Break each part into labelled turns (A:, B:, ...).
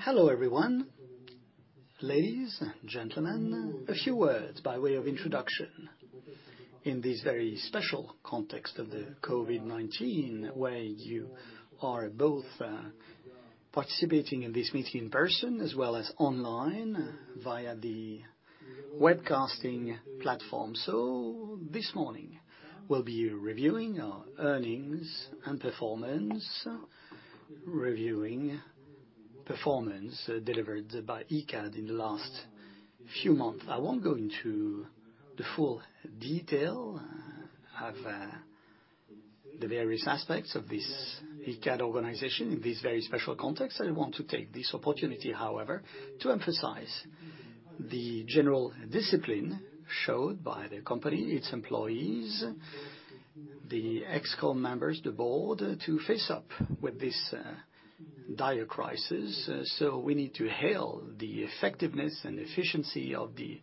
A: Hello, everyone. Ladies, gentlemen, a few words by way of introduction. In this very special context of the COVID-19, where you are both participating in this meeting in person as well as online via the webcasting platform. This morning, we'll be reviewing our earnings and performance, reviewing performance delivered by Icade in the last few months. I won't go into the full detail of the various aspects of this Icade organization in this very special context. I want to take this opportunity, however, to emphasize the general discipline showed by the company, its employees, the ExCo members, the board, to face up with this dire crisis. We need to hail the effectiveness and efficiency of the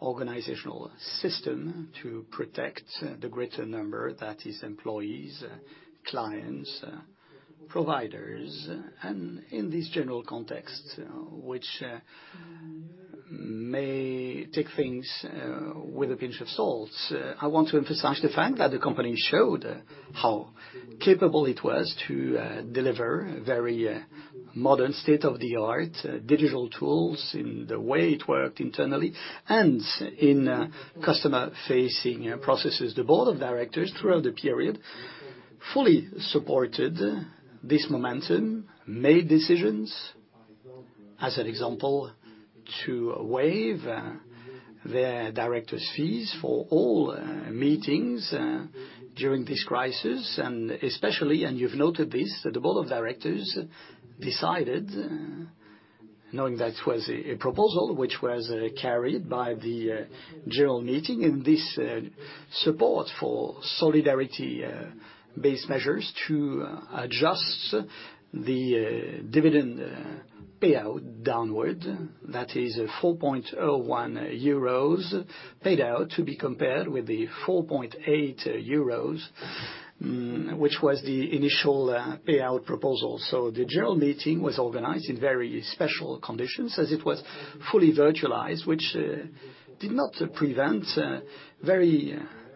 A: organizational system to protect the greater number, that is employees, clients, providers. In this general context, which may take things with a pinch of salt, I want to emphasize the fact that the company showed how capable it was to deliver very modern state-of-the-art digital tools in the way it worked internally, and in customer-facing processes. The board of directors, throughout the period, fully supported this momentum, made decisions, as an example, to waive their directors fees for all meetings during this crisis. Especially, and you've noted this, the board of directors decided, knowing that was a proposal, which was carried by the general meeting in this support for solidarity-based measures to adjust the dividend payout downward. That is 4.01 euros paid out, to be compared with the 4.80 euros, which was the initial payout proposal. The general meeting was organized in very special conditions, as it was fully virtualized, which did not prevent very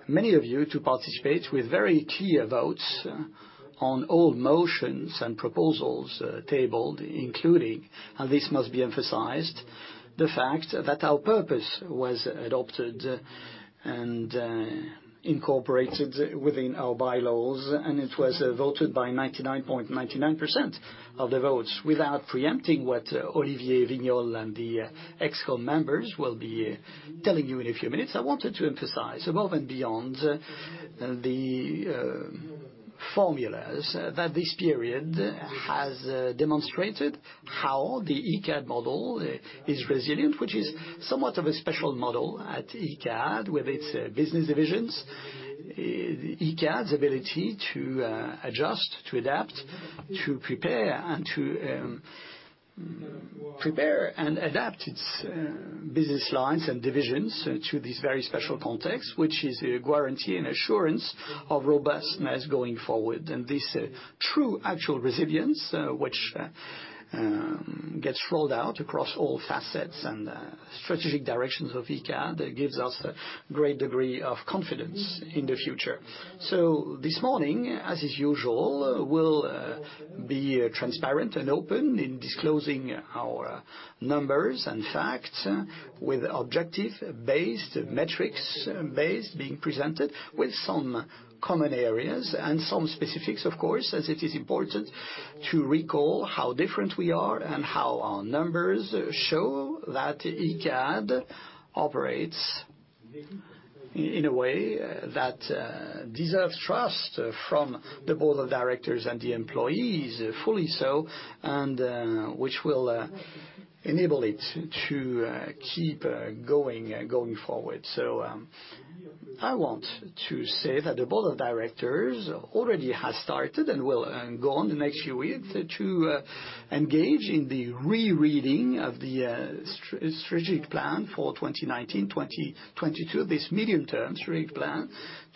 A: many of you to participate with very clear votes on all motions and proposals tabled, including, and this must be emphasized, the fact that our purpose was adopted and incorporated within our bylaws, and it was voted by 99.99% of the votes. Without preempting what Olivier Wigniolle and the ExCo members will be telling you in a few minutes, I wanted to emphasize, above and beyond the formulas, that this period has demonstrated how the Icade model is resilient, which is somewhat of a special model at Icade, with its business divisions. Icade's ability to adjust, to adapt, to prepare, and adapt its business lines and divisions to this very special context, which is a guarantee and assurance of robustness going forward. This true, actual resilience, which gets rolled out across all facets and strategic directions of Icade, gives us a great degree of confidence in the future. This morning, as is usual, we'll be transparent and open in disclosing our numbers and facts with objective-based, metrics-based being presented with some common areas and some specifics, of course, as it is important to recall how different we are and how our numbers show that Icade operates in a way that deserves trust from the board of directors and the employees, fully so, and which will enable it to keep going forward. I want to say that the Board of Directors already has started and will go on in the next few weeks to engage in the rereading of the strategic plan for 2019-2022, this medium-term strategic plan,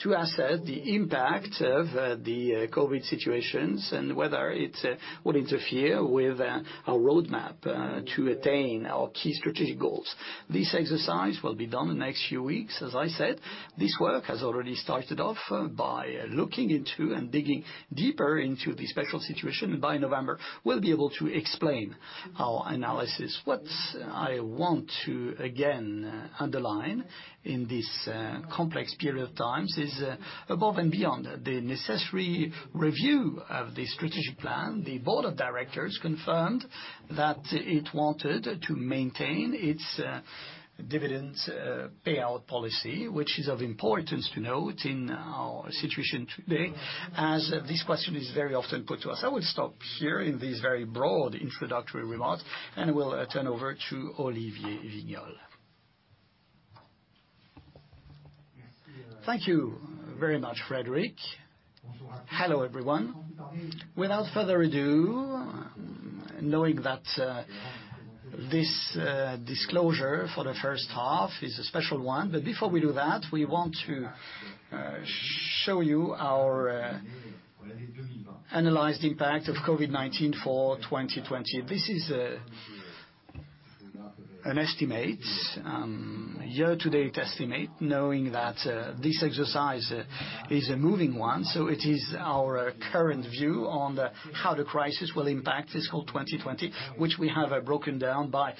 A: to assess the impact of the COVID-19 situation and whether it will interfere with our roadmap to attain our key strategic goals. This exercise will be done in the next few weeks, as I said. This work has already started off by looking into and digging deeper into the special situation. By November, we will be able to explain our analysis.
B: What I want to, again, underline in this complex period of times is, above and beyond the necessary review of the strategic plan, the Board of Directors confirmed that it wanted to maintain its dividends payout policy, which is of importance to note in our situation today, as this question is very often put to us. I will stop here in these very broad introductory remarks, and will turn over to Olivier Wigniolle. Thank you very much, Frédéric. Hello, everyone. This disclosure for the first half is a special one. Before we do that, we want to show you our analyzed impact of COVID-19 for 2020. This is an estimate, year-to-date estimate, knowing that this exercise is a moving one.
A: It is our current view on how the crisis will impact fiscal 2020, which we have broken down by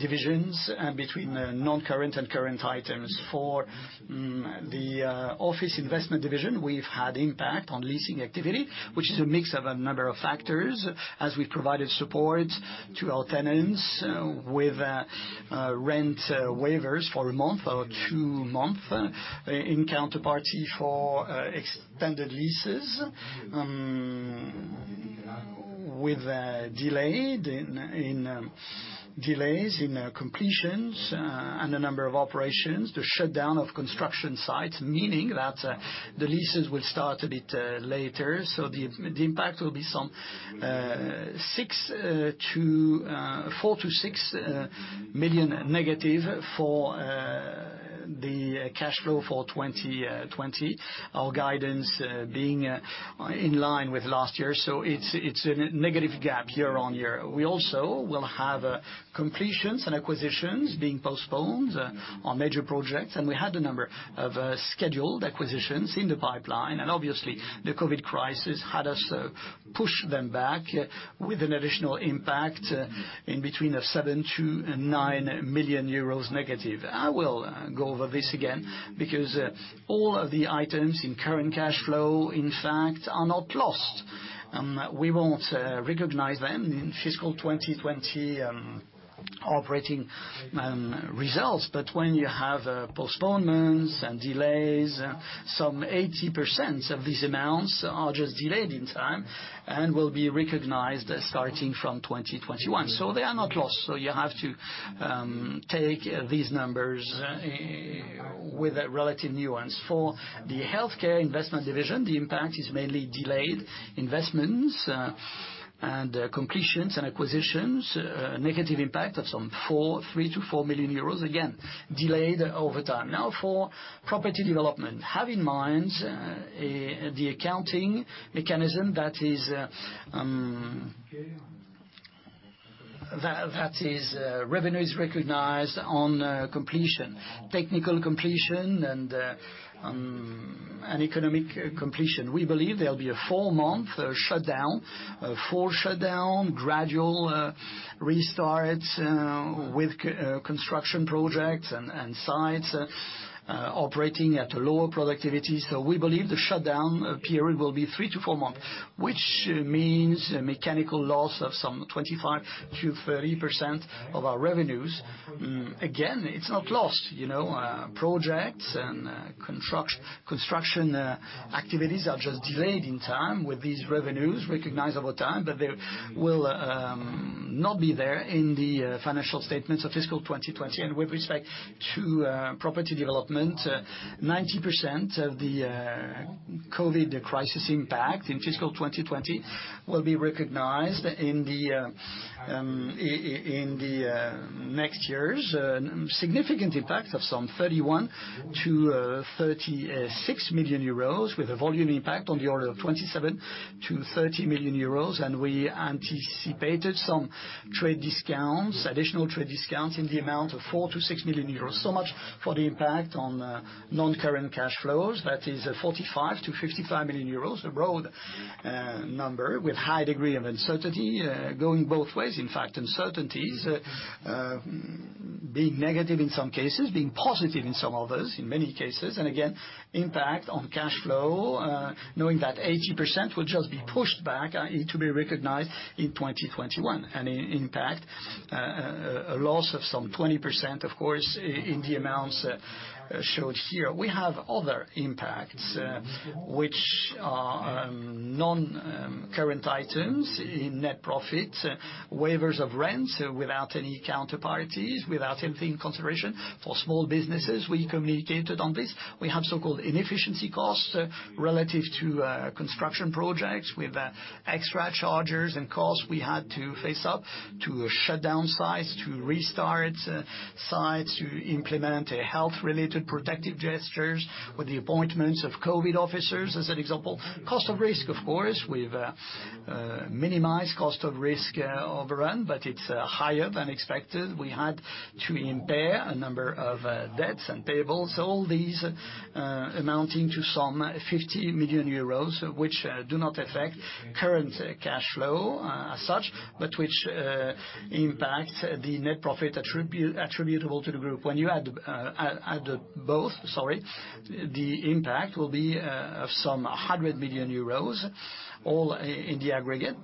A: divisions between non-current and current items. For the office investment division, we have had impact on leasing activity, which is a mix of a number of factors as we provided support to our tenants with rent waivers for a month or two month in counterparty for extended leases, with delays in completions and a number of operations. The shutdown of construction sites, meaning that the leases will start a bit later. The impact will be some 4 million-6 million negative for the cash flow for 2020. Our guidance being in line with last year, it is a negative gap year-on-year. We also will have completions and acquisitions being postponed on major projects, we had a number of scheduled acquisitions in the pipeline, obviously, the COVID-19 crisis had us push them back with an additional impact in between 7 million-9 million euros negative. I will go over this again because all of the items in current cash flow, in fact, are not lost. We will not recognize them in fiscal 2020 operating results. When you have postponements and delays, some 80% of these amounts are just delayed in time and will be recognized starting from 2021. They are not lost. You have to take these numbers with a relative nuance. For the healthcare investment division, the impact is mainly delayed investments and completions and acquisitions, a negative impact of some 3 million-4 million euros. Again, delayed over time. For property development, have in mind, the accounting mechanism that is, revenue is recognized on completion, technical completion, and economic completion. We believe there'll be a 4-month shutdown, full shutdown, gradual restart with construction projects and sites operating at a lower productivity. We believe the shutdown period will be 3 to 4 months, which means a mechanical loss of some 25%-30% of our revenues. It's not lost. Projects and construction activities are just delayed in time with these revenues recognized over time. They will not be there in the financial statements of fiscal 2020. With respect to property development, 90% of the COVID crisis impact in fiscal 2020 will be recognized in the next years. Significant impact of some 31 million to 36 million euros with a volume impact on the order of 27 million to 30 million euros, we anticipated some trade discounts, additional trade discounts in the amount of 4 million to 6 million euros. Much for the impact on non-current cash flows. That is 45 million to 55 million euros, a broad number with high degree of uncertainty, going both ways, in fact, uncertainties, being negative in some cases, being positive in some others, in many cases. Impact on cash flow, knowing that 80% will just be pushed back to be recognized in 2021. Impact, a loss of some 20%, of course, in the amounts showed here. We have other impacts, which are non-current items in net profit, waivers of rent without any counterparties, without anything consideration. For small businesses, we communicated on this. We have so-called inefficiency costs relative to construction projects with extra charges and costs we had to face up to shut down sites, to restart sites, to implement health-related protective gestures with the appointments of COVID officers, as an example. Cost of risk, of course, we've minimized cost of risk overrun, but it's higher than expected. We had to impair a number of debts and payables, all these amounting to some 50 million euros, which do not affect current cash flow as such, but which impact the net profit attributable to the group. When you add both, the impact will be of some 100 million euros, all in the aggregate.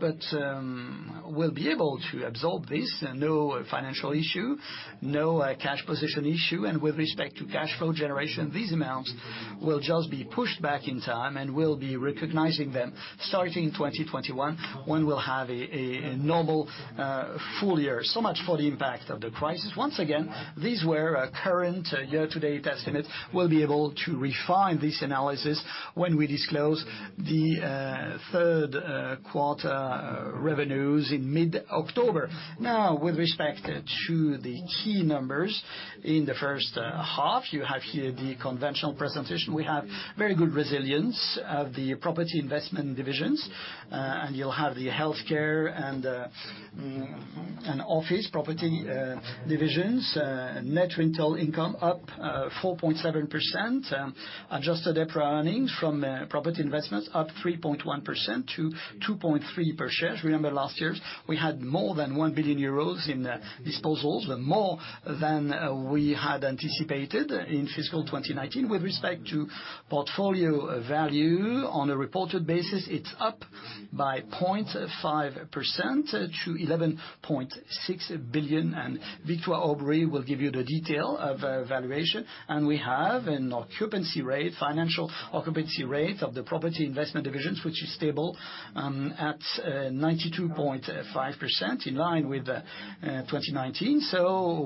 A: We'll be able to absorb this. No financial issue. No cash position issue, with respect to cash flow generation, these amounts will just be pushed back in time, we'll be recognizing them starting in 2021, when we'll have a normal full year. Much for the impact of the crisis. Once again, these were our current year-to-date estimates. We'll be able to refine this analysis when we disclose the 3rd quarter revenues in mid-October. With respect to the key numbers in the first half, you have here the conventional presentation. We have very good resilience of the property investment divisions, you'll have the healthcare and office property divisions. Net rental income up 4.7%. Adjusted EPRA earnings from property investments up 3.1% to 2.3 per share. Remember, last year, we had more than 1 billion euros in disposals, more than we had anticipated in fiscal 2019. With respect to portfolio value, on a reported basis, it's up by 0.5% to 11.6 billion, and Victoire Aubry will give you the detail of valuation. We have an occupancy rate, financial occupancy rate of the property investment divisions, which is stable at 92.5%, in line with 2019.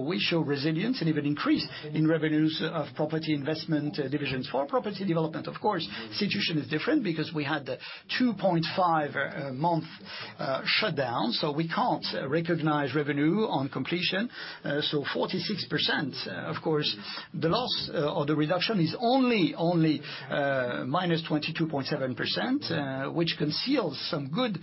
A: We show resilience and even increase in revenues of property investment divisions. For property development, of course, situation is different because we had a 2.5-month shutdown, so we can't recognize revenue on completion, so 46%. Of course, the loss or the reduction is only minus 22.7%, which conceals some good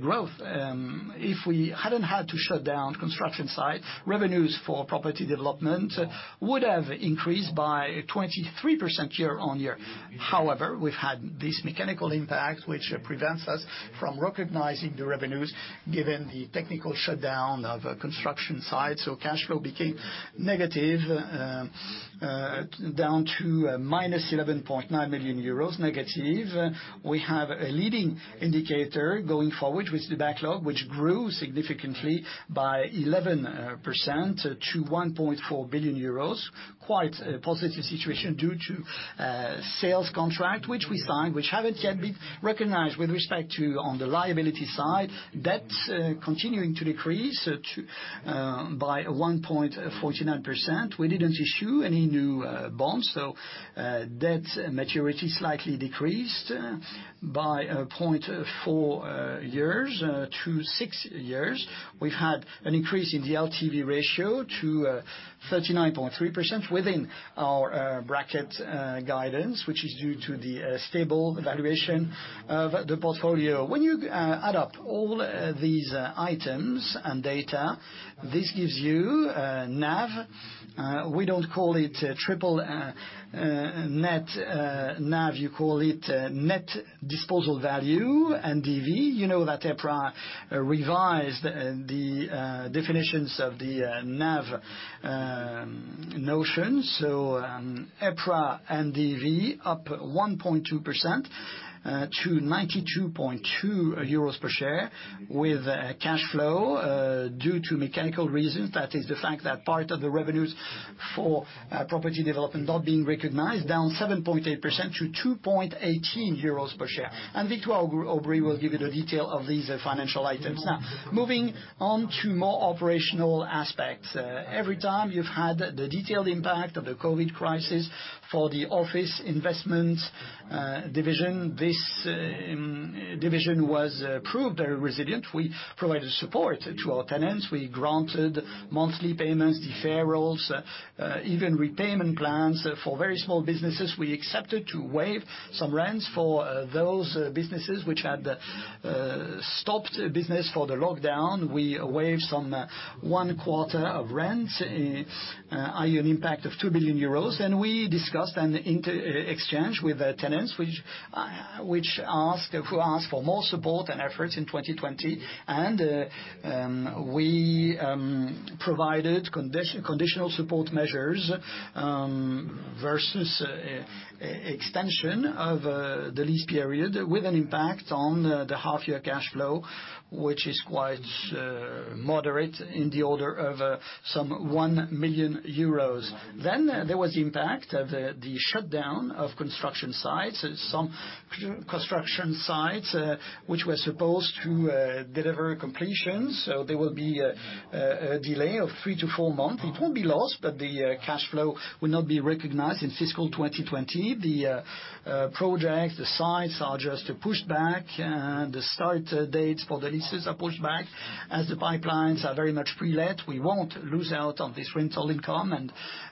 A: growth. If we hadn't had to shut down construction sites, revenues for property development would have increased by 23% year-over-year. However, we've had this mechanical impact, which prevents us from recognizing the revenues given the technical shutdown of construction sites. Cash flow became negative, down to minus 11.9 million euros. We have a leading indicator going forward with the backlog, which grew significantly by 11% to 1.4 billion euros. Quite a positive situation due to sales contracts, which we signed, which haven't yet been recognized. With respect to on the liability side, debts continuing to decrease by 1.49%. We didn't issue any new bonds, so debt maturity slightly decreased by 0.4 years to six years. We've had an increase in the LTV ratio to 39.3% within our bracket guidance, which is due to the stable valuation of the portfolio. When you add up all these items and data, this gives you NAV. We don't call it triple net NAV, you call it net disposal value, NDV. You know that EPRA revised the definitions of the NAV notion. EPRA NDV up 1.2% to 92.2 euros per share with cash flow due to mechanical reasons. That is the fact that part of the revenues for property development not being recognized, down 7.8% to 2.18 euros per share. Victoire Aubry will give you the detail of these financial items. Now, moving on to more operational aspects. Every time you've had the detailed impact of the COVID-19 crisis for the office investments division, this division was proved very resilient. We provided support to our tenants. We granted monthly payments, deferrals, even repayment plans for very small businesses. We accepted to waive some rents for those businesses which had stopped business for the lockdown. We waived some one quarter of rent, i.e., an impact of 2 billion euros, and we discussed and inter-exchanged with the tenants who asked for more support and efforts in 2020. We provided conditional support measures versus extension of the lease period with an impact on the half-year cash flow, which is quite moderate, in the order of some 1 million euros. There was impact of the shutdown of construction sites. Some construction sites which were supposed to deliver completions, so there will be a delay of three to four months. It won't be lost, but the cash flow will not be recognized in fiscal 2020. The projects, the sites are just pushed back. The start dates for the leases are pushed back. As the pipelines are very much pre-let, we won't lose out on this rental income,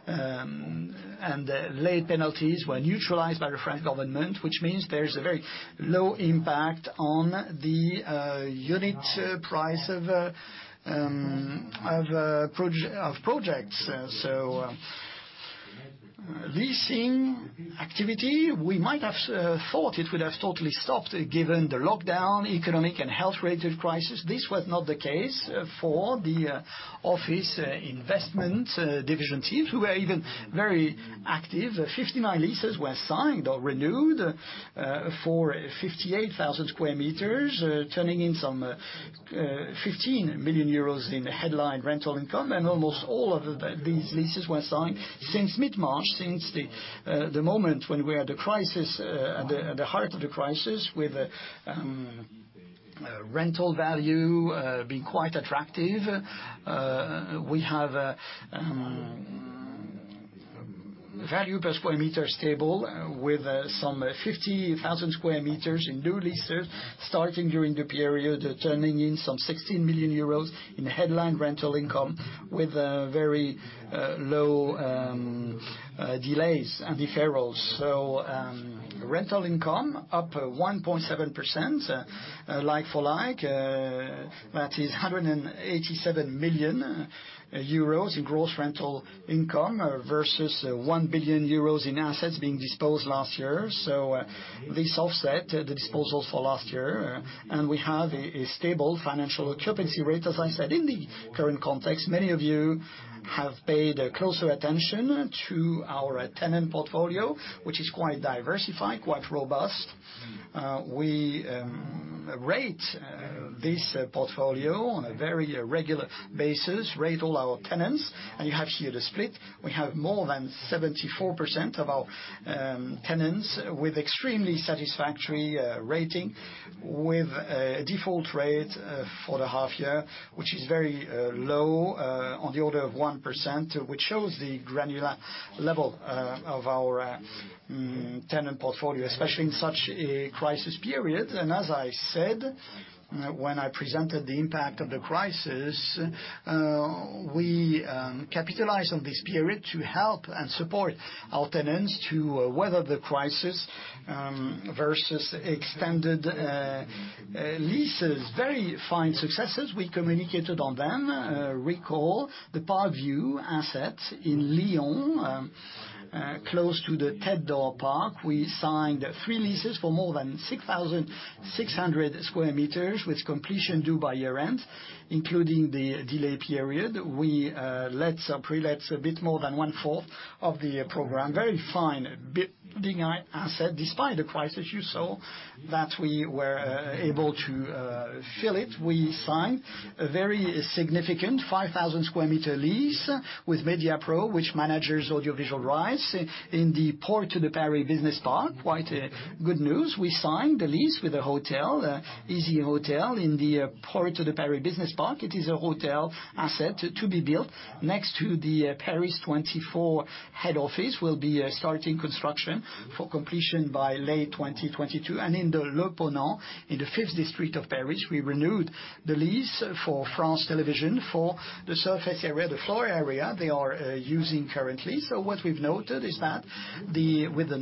A: and late penalties were neutralized by the French government, which means there's a very low impact on the unit price of projects. Leasing activity, we might have thought it would have totally stopped, given the lockdown, economic and health-related crisis. This was not the case for the office investment division teams, who were even very active. 59 leases were signed or renewed for 58,000 sq m, turning in some 15 million euros in headline rental income. Almost all of these leases were signed since mid-March, since the moment when we are at the heart of the crisis, with rental value being quite attractive. We have value per square meter stable with some 50,000 sq m in new leases starting during the period, turning in some 16 million euros in headline rental income with very low delays and deferrals. Rental income up 1.7% like-for-like. That is 187 million euros in gross rental income versus 1 billion euros in assets being disposed last year. This offset the disposals for last year, and we have a stable financial occupancy rate. As I said, in the current context, many of you have paid closer attention to our tenant portfolio, which is quite diversified, quite robust. We rate this portfolio on a very regular basis, rate all our tenants, and you have here the split. We have more than 74% of our tenants with extremely satisfactory rating, with a default rate for the half year, which is very low, on the order of 1%, which shows the granular level of our tenant portfolio, especially in such a crisis period. As I said when I presented the impact of the crisis, we capitalize on this period to help and support our tenants to weather the crisis versus extended leases. Very fine successes, we communicated on them. Recall the Park View asset in Lyon, close to the Tête d'Or Park. We signed three leases for more than 6,600 sq m, with completion due by year-end, including the delay period. We pre-let a bit more than one-fourth of the program. Very fine building asset. Despite the crisis, you saw that we were able to fill it. We signed a very significant 5,000 sq m lease with Mediapro, which manages audiovisual rights in the Porte de Paris Business Park. Quite good news. We signed the lease with a hotel, easyHotel, in the Porte de Paris Business Park. It is a hotel asset to be built. Next to the Paris 2024 head office will be starting construction for completion by late 2022. In the Le Ponant in the Fifth District of Paris, we renewed the lease for France Télévisions for the surface area, the floor area they are using currently. What we've noted is that with the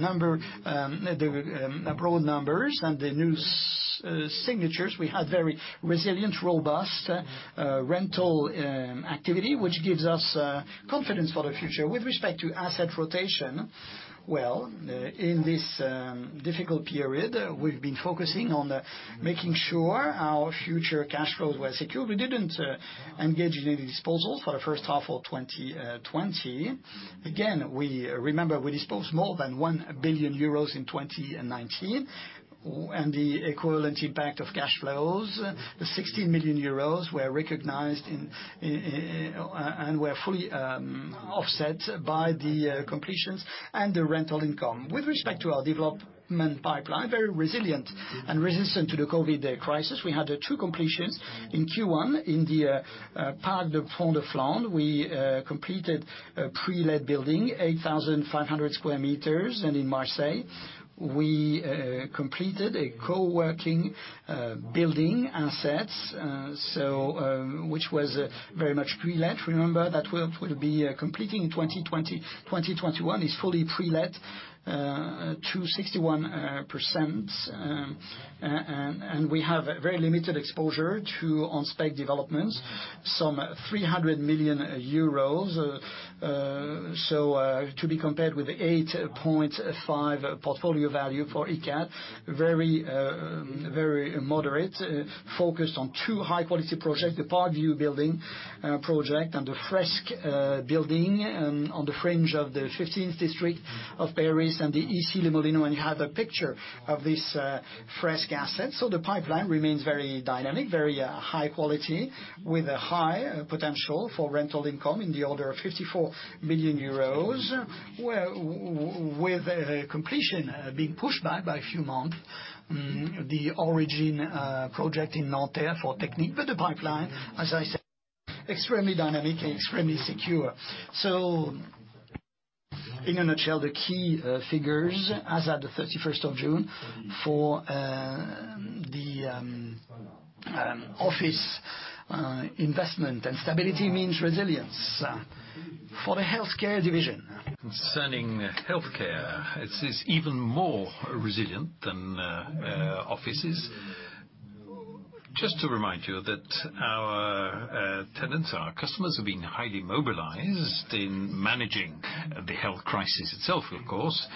A: broad numbers and the new signatures, we had very resilient, robust rental activity, which gives us confidence for the future. With respect to asset rotation, well, in this difficult period, we've been focusing on making sure our future cash flows were secure. We didn't engage in any disposals for the first half of 2020. Again, remember, we disposed more than 1 billion euros in 2019, and the equivalent impact of cash flows, the 60 million euros, were recognized and were fully offset by the completions and the rental income. With respect to our development pipeline, very resilient and resistant to the COVID-19 crisis. We had two completions in Q1 in the Parc du Pont de Flandre. We completed a pre-let building, 8,500 sq m. In Marseille, we completed a co-working building asset, which was very much pre-let. Remember that we'll be completing in 2021, is fully pre-let to 61%, and we have very limited exposure to on-spec developments, some 300 million euros. To be compared with the 8.5 portfolio value for Icade, very moderate, focused on two high-quality projects, the Park View building project and the FRESK building on the fringe of the 15th district of Paris and the EC Le Molino, and you have a picture of this FRESK asset. The pipeline remains very dynamic, very high quality, with a high potential for rental income in the order of 54 million euros, with completion being pushed back by a few months, the Origine project in Nanterre for Technip. The pipeline, as I said, extremely dynamic and extremely secure. In a nutshell, the key figures as of the 31st of June for the office investment and stability means resilience. For the healthcare division.
B: Concerning healthcare, it is even more resilient than offices. Just to remind you that our tenants, our customers, have been highly mobilized in managing the health crisis itself, of course.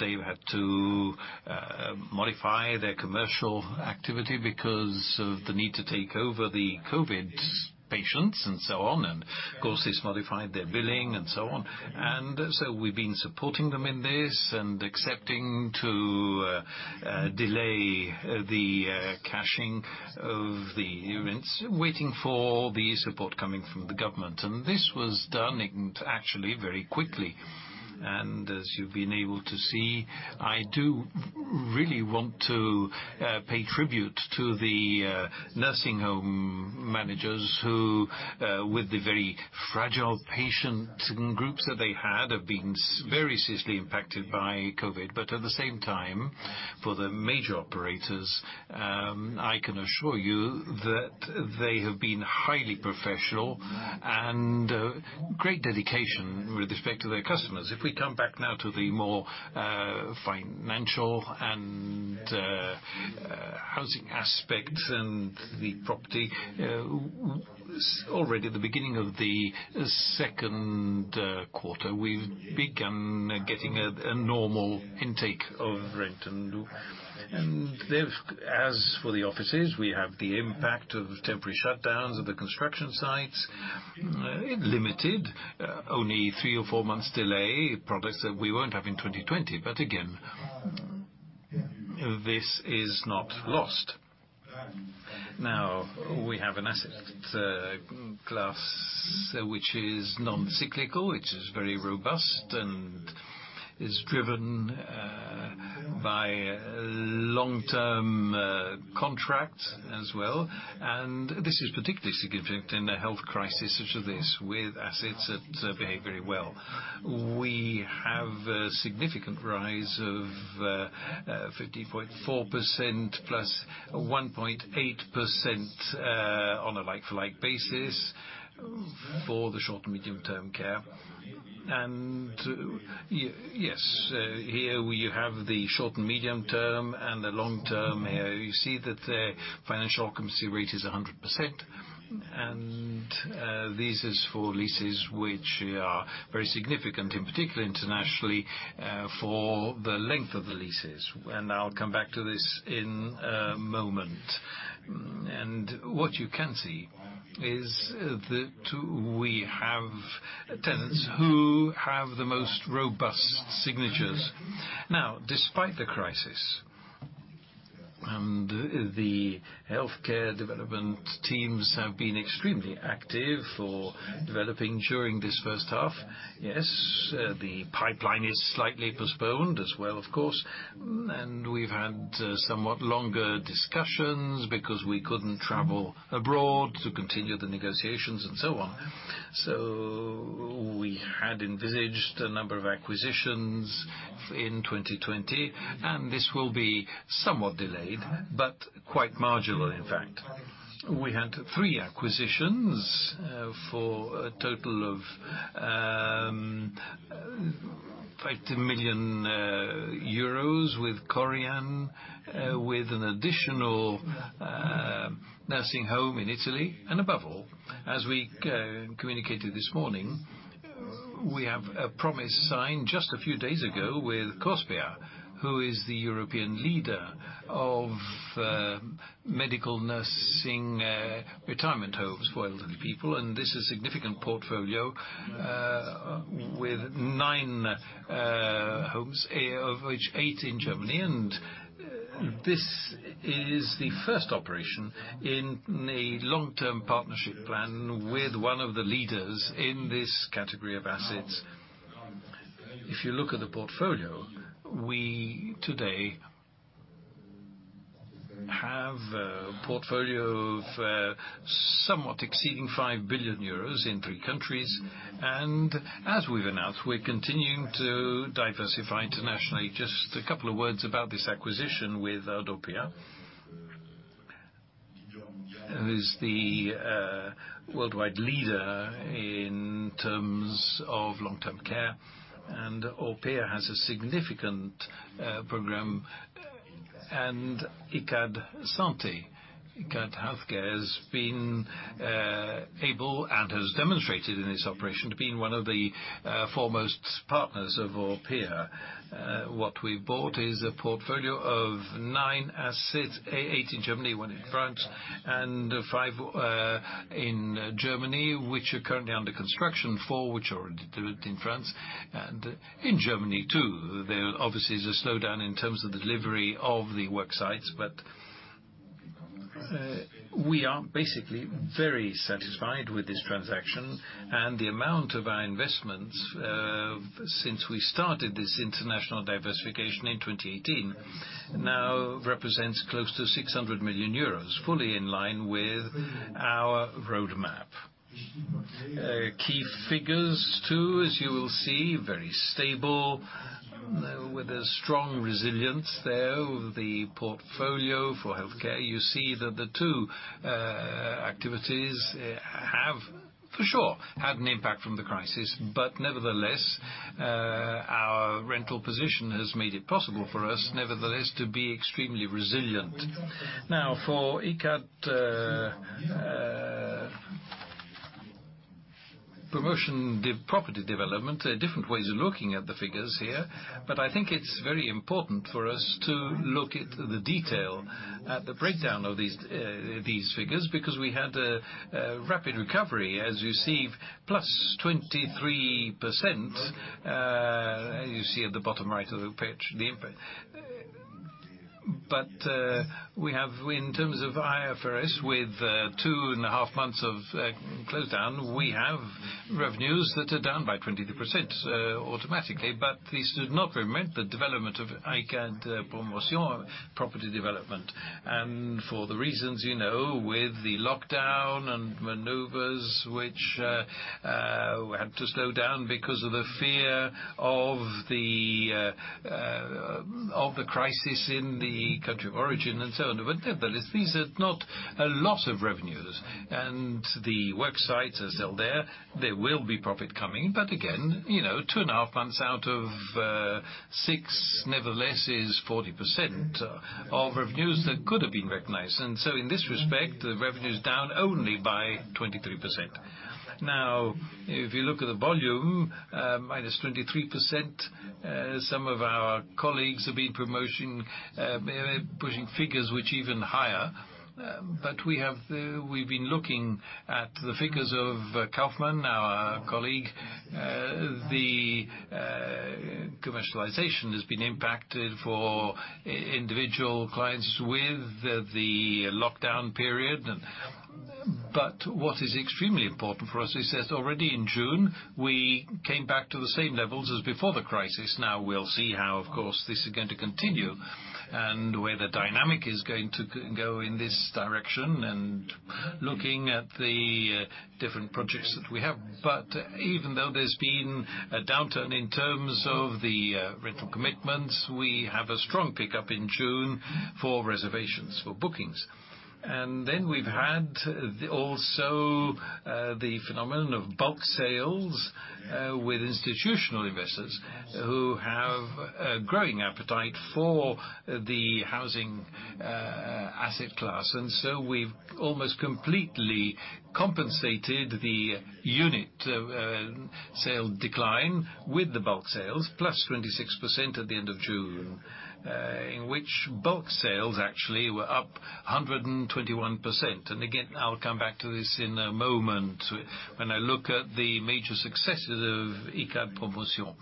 B: They've had to modify their commercial activity because of the need to take over the COVID-19 patients and so on, and of course, this modified their billing and so on. We've been supporting them in this and accepting to delay the caching of the rents, waiting for the support coming from the government. This was done actually very quickly. As you've been able to see, I do really want to pay tribute to the nursing home managers who, with the very fragile patient groups that they had, have been very seriously impacted by COVID-19, at the same time, for the major operators, I can assure you that they have been highly professional and great dedication with respect to their customers. If we come back now to the more financial and housing aspects and the property, already the beginning of the second quarter, we've begun getting a normal intake of rent. As for the offices, we have the impact of temporary shutdowns of the construction sites, limited, only three or four months delay, products that we won't have in 2020. Again, this is not lost. We have an asset class which is non-cyclical, which is very robust and is driven by long-term contracts as well. This is particularly significant in a health crisis such as this, with assets that behave very well. We have a significant rise of 15.4% + 1.8% on a like-for-like basis for the short and medium-term care. Here you have the short and medium term and the long term. You see that the financial occupancy rate is 100%, and this is for leases which are very significant, and particularly internationally for the length of the leases. I'll come back to this in a moment. What you can see is that we have tenants who have the most robust signatures. Despite the crisis, the healthcare development teams have been extremely active for developing during this first half. The pipeline is slightly postponed as well, of course, we've had somewhat longer discussions because we couldn't travel abroad to continue the negotiations and so on. We had envisaged a number of acquisitions in 2020, this will be somewhat delayed, but quite marginal, in fact. We had three acquisitions for a total of EUR 50 million with Korian, with an additional nursing home in Italy. Above all, as we communicated this morning, we have a promise signed just a few days ago with Orpea, who is the European leader of medical nursing retirement homes for elderly people, and this is a significant portfolio with nine homes, of which eight are in Germany. This is the first operation in a long-term partnership plan with one of the leaders in this category of assets. If you look at the portfolio, we today have a portfolio of somewhat exceeding 5 billion euros in three countries. As we've announced, we're continuing to diversify internationally. Just a couple of words about this acquisition with Orpea, who is the worldwide leader in terms of long-term care. Orpea has a significant program, Icade Santé, Icade Healthcare, has been able and has demonstrated in its operation to being one of the foremost partners of Orpea. What we bought is a portfolio of nine assets, eight in Germany, one in France, and five in Germany, which are currently under construction, four which are in France. In Germany too, there obviously is a slowdown in terms of delivery of the work sites. We are basically very satisfied with this transaction. The amount of our investments, since we started this international diversification in 2018, now represents close to 600 million euros, fully in line with our roadmap. Key figures too, as you will see, very stable with a strong resilience there. The portfolio for healthcare, you see that the two have for sure had an impact from the crisis. Nevertheless, our rental position has made it possible for us, nevertheless, to be extremely resilient. For Icade Promotion Property Development, different ways of looking at the figures here, I think it's very important for us to look at the detail, at the breakdown of these figures, because we had a rapid recovery, as you see, +23%, you see at the bottom right of the page the impact. We have, in terms of IFRS, with two and a half months of close down, we have revenues that are down by 22% automatically. This did not prevent the development of Icade Promotion Property Development. For the reasons you know, with the lockdown and maneuvers which had to slow down because of the fear of the crisis in the country of origin and so on. Nevertheless, these are not a lot of revenues, the work sites are still there. There will be profit coming. Again, two and a half months out of six, nevertheless, is 40% of revenues that could have been recognized. In this respect, the revenue is down only by 23%. If you look at the volume, -23%, some of our colleagues have been pushing figures which even higher. We've been looking at the figures of Kaufman, our colleague. The commercialization has been impacted for individual clients with the lockdown period. What is extremely important for us is that already in June, we came back to the same levels as before the crisis. We'll see how, of course, this is going to continue and where the dynamic is going to go in this direction and looking at the different projects that we have. Even though there's been a downturn in terms of the rental commitments, we have a strong pickup in June for reservations for bookings. We've had also the phenomenon of bulk sales with institutional investors who have a growing appetite for the housing asset class. We've almost completely compensated the unit sale decline with the bulk sales, +26% at the end of June. In which bulk sales actually were up 121%. Again, I'll come back to this in a moment when I look at the major successes of Icade Promotion.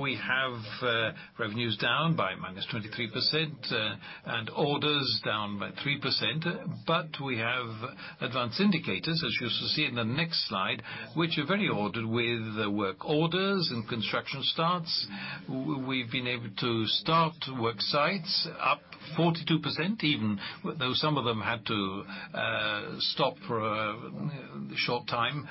B: We have revenues down by -23% and orders down by 3%. We have advanced indicators, as you see in the next slide, which are very ordered with work orders and construction starts. We've been able to start work sites up 42%, even though some of them had to stop for a short time.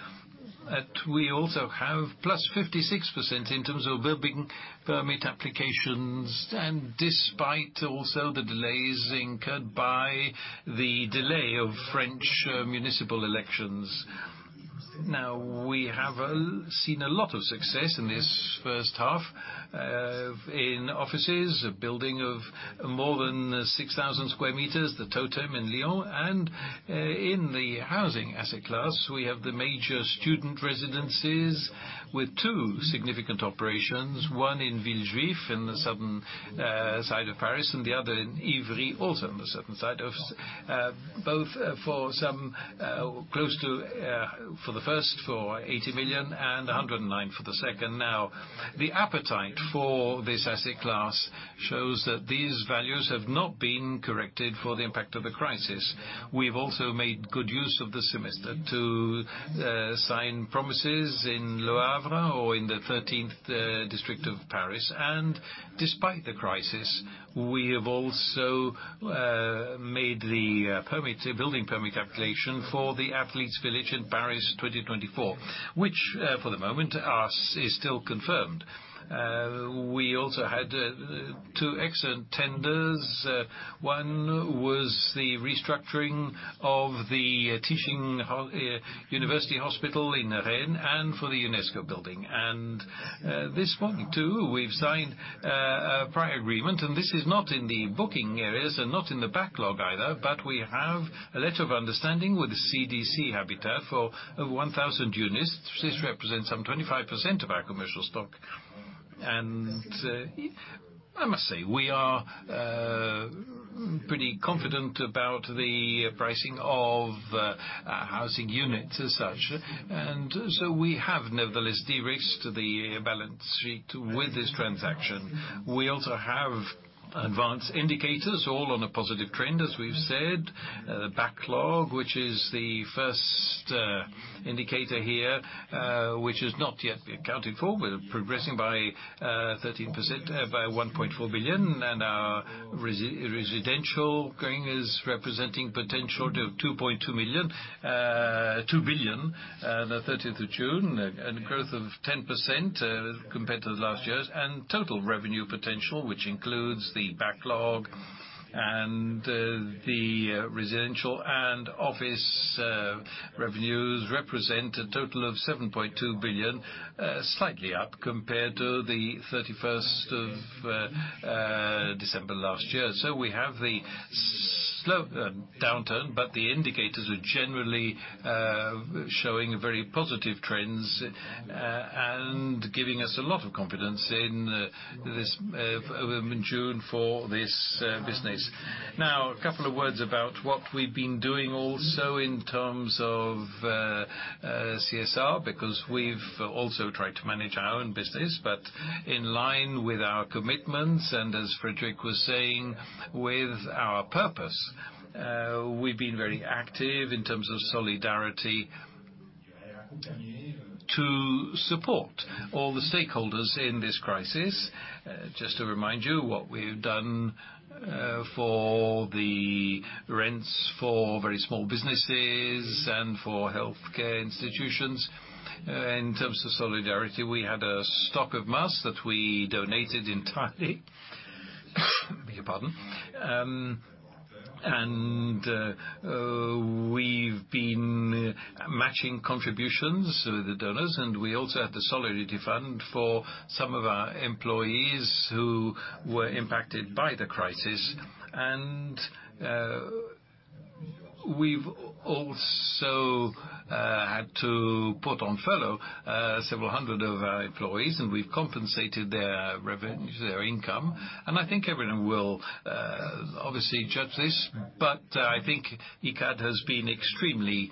B: We also have +56% in terms of building permit applications and despite also the delays incurred by the delay of French municipal elections. We have seen a lot of success in this first half in offices, building of more than 6,000 sq m, the Totem in Lyon. In the housing asset class, we have the major student residences with two significant operations, one in Villejuif in the southern side of Paris, and the other in Ivry, also on the southern side. Both for some close to, for the first, for 80 million and 109 for the second. The appetite for this asset class shows that these values have not been corrected for the impact of the crisis. We've also made good use of this semester to sign promises in Le Havre or in the 13th district of Paris. Despite the crisis, we have also made the building permit application for the Athletes Village in Paris 2024, which for the moment is still confirmed. We also had two excellent tenders. One was the restructuring of the teaching university hospital in Rennes and for the UNESCO building. This one, too, we've signed a prior agreement, and this is not in the booking areas and not in the backlog either, but we have a letter of understanding with the CDC Habitat for 1,000 units. This represents some 25% of our commercial stock. I must say, we are pretty confident about the pricing of our housing units as such. We have nevertheless, de-risked the balance sheet with this transaction. We also have advanced indicators all on a positive trend, as we've said. Backlog, which is the first indicator here, which has not yet been accounted for. We're progressing by 13%, by 1.4 billion, and our residential growing is representing potential to 2.2 million. 2 billion the 30th of June, and growth of 10% compared to last year's. Total revenue potential, which includes the backlog and the residential and office revenues, represent a total of 7.2 billion, slightly up compared to the 31st of December last year. We have the slow downturn, but the indicators are generally showing very positive trends, and giving us a lot of confidence in June for this business. A couple of words about what we've been doing also in terms of CSR, because we've also tried to manage our own business, but in line with our commitments, and as Frédéric was saying, with our purpose. We've been very active in terms of solidarity to support all the stakeholders in this crisis. Just to remind you what we've done for the rents for very small businesses and for healthcare institutions. In terms of solidarity, we had a stock of masks that we donated entirely. Beg your pardon. We've been matching contributions with the donors, and we also have the solidarity fund for some of our employees who were impacted by the crisis. We've also had to put on furlough several hundred of our employees, and we've compensated their revenue, their income. I think everyone will obviously judge this, but I think Icade has been extremely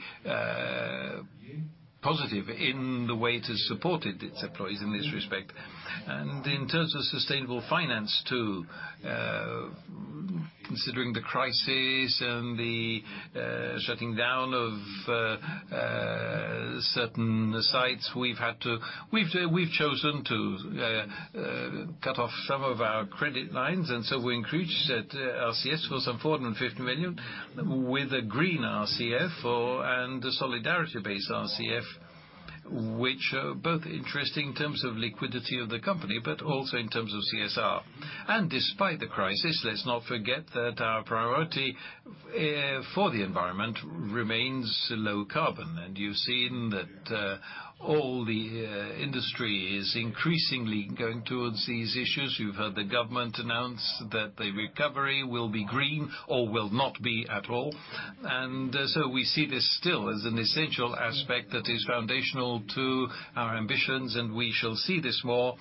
B: positive in the way it has supported its employees in this respect. In terms of sustainable finance, too, considering the crisis and the shutting down of certain sites, we've chosen to cut off some of our credit lines. So we increased RCF for some 450 million with a Green RCF and a solidarity-based RCF, which are both interesting in terms of liquidity of the company, but also in terms of CSR. Despite the crisis, let's not forget that our priority for the environment remains low carbon. You've seen that all the industry is increasingly going towards these issues. You've heard the government announce that the recovery will be green or will not be at all. We see this still as an essential aspect that is foundational to our ambitions, and we shall see this more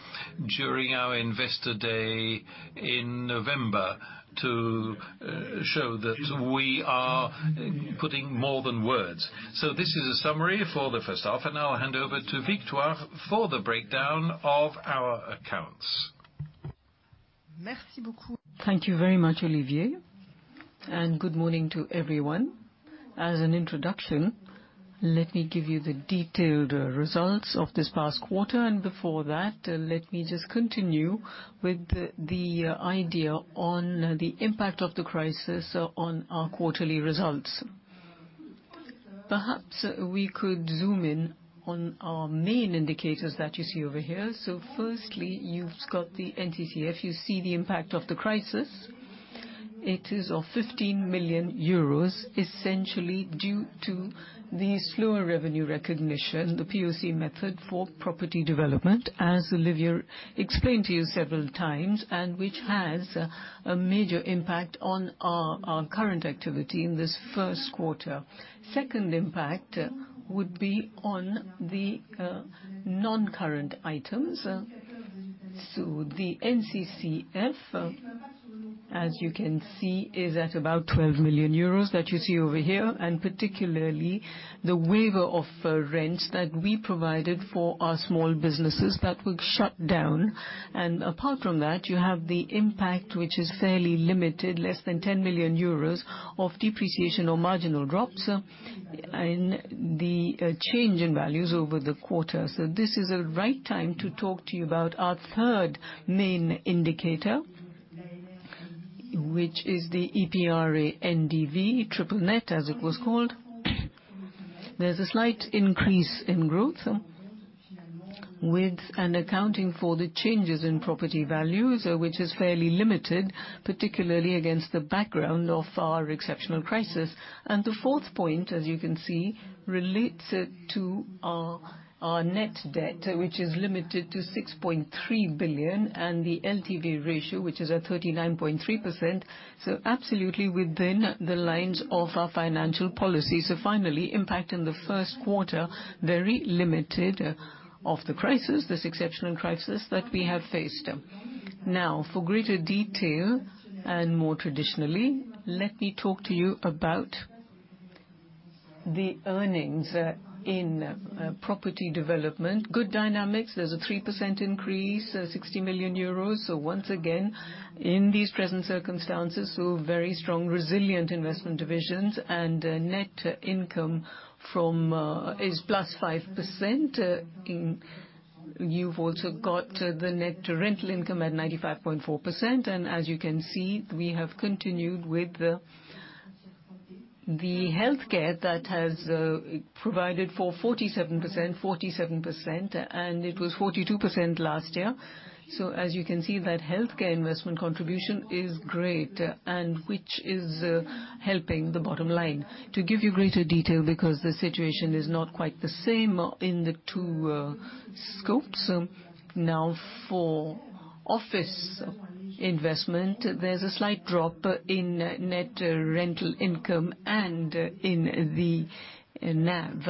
B: during our investor day in November to show that we are putting more than words. This is a summary for the first half, and now I'll hand over to Victoire for the breakdown of our accounts.
C: Thank you very much, Olivier, good morning to everyone. As an introduction, let me give you the detailed results of this past quarter. Before that, let me just continue with the idea on the impact of the crisis on our quarterly results. Perhaps we could zoom in on our main indicators that you see over here. Firstly, you've got the NCCF. You see the impact of the crisis. It is of 15 million euros, essentially due to the slower revenue recognition, the POC method for property development, as Olivier explained to you several times, and which has a major impact on our current activity in this first quarter. Second impact would be on the non-current items. The NCCF, as you can see, is at about 12 million euros that you see over here, particularly the waiver of rents that we provided for our small businesses that were shut down. Apart from that, you have the impact, which is fairly limited, less than 10 million euros, of depreciation or marginal drops in the change in values over the quarter. This is a right time to talk to you about our third main indicator, which is the EPRA NDV, triple net as it was called. There is a slight increase in growth with and accounting for the changes in property values, which is fairly limited, particularly against the background of our exceptional crisis. The fourth point, as you can see, relates to our net debt, which is limited to 6.3 billion, and the LTV ratio, which is at 39.3%. Absolutely within the lines of our financial policy. Finally, impact in the first quarter, very limited of the crisis, this exceptional crisis that we have faced. For greater detail and more traditionally, let me talk to you about the earnings in property development. Good dynamics. There is a 3% increase, 60 million euros. Once again, in these present circumstances, very strong, resilient investment divisions and net income is plus 5%. You have also got the net rental income at 95.4%, and as you can see, we have continued with the healthcare that has provided for 47%, and it was 42% last year. As you can see that healthcare investment contribution is great, which is helping the bottom line. To give you greater detail because the situation is not quite the same in the two scopes. For office investment, there is a slight drop in net rental income and in the NAV,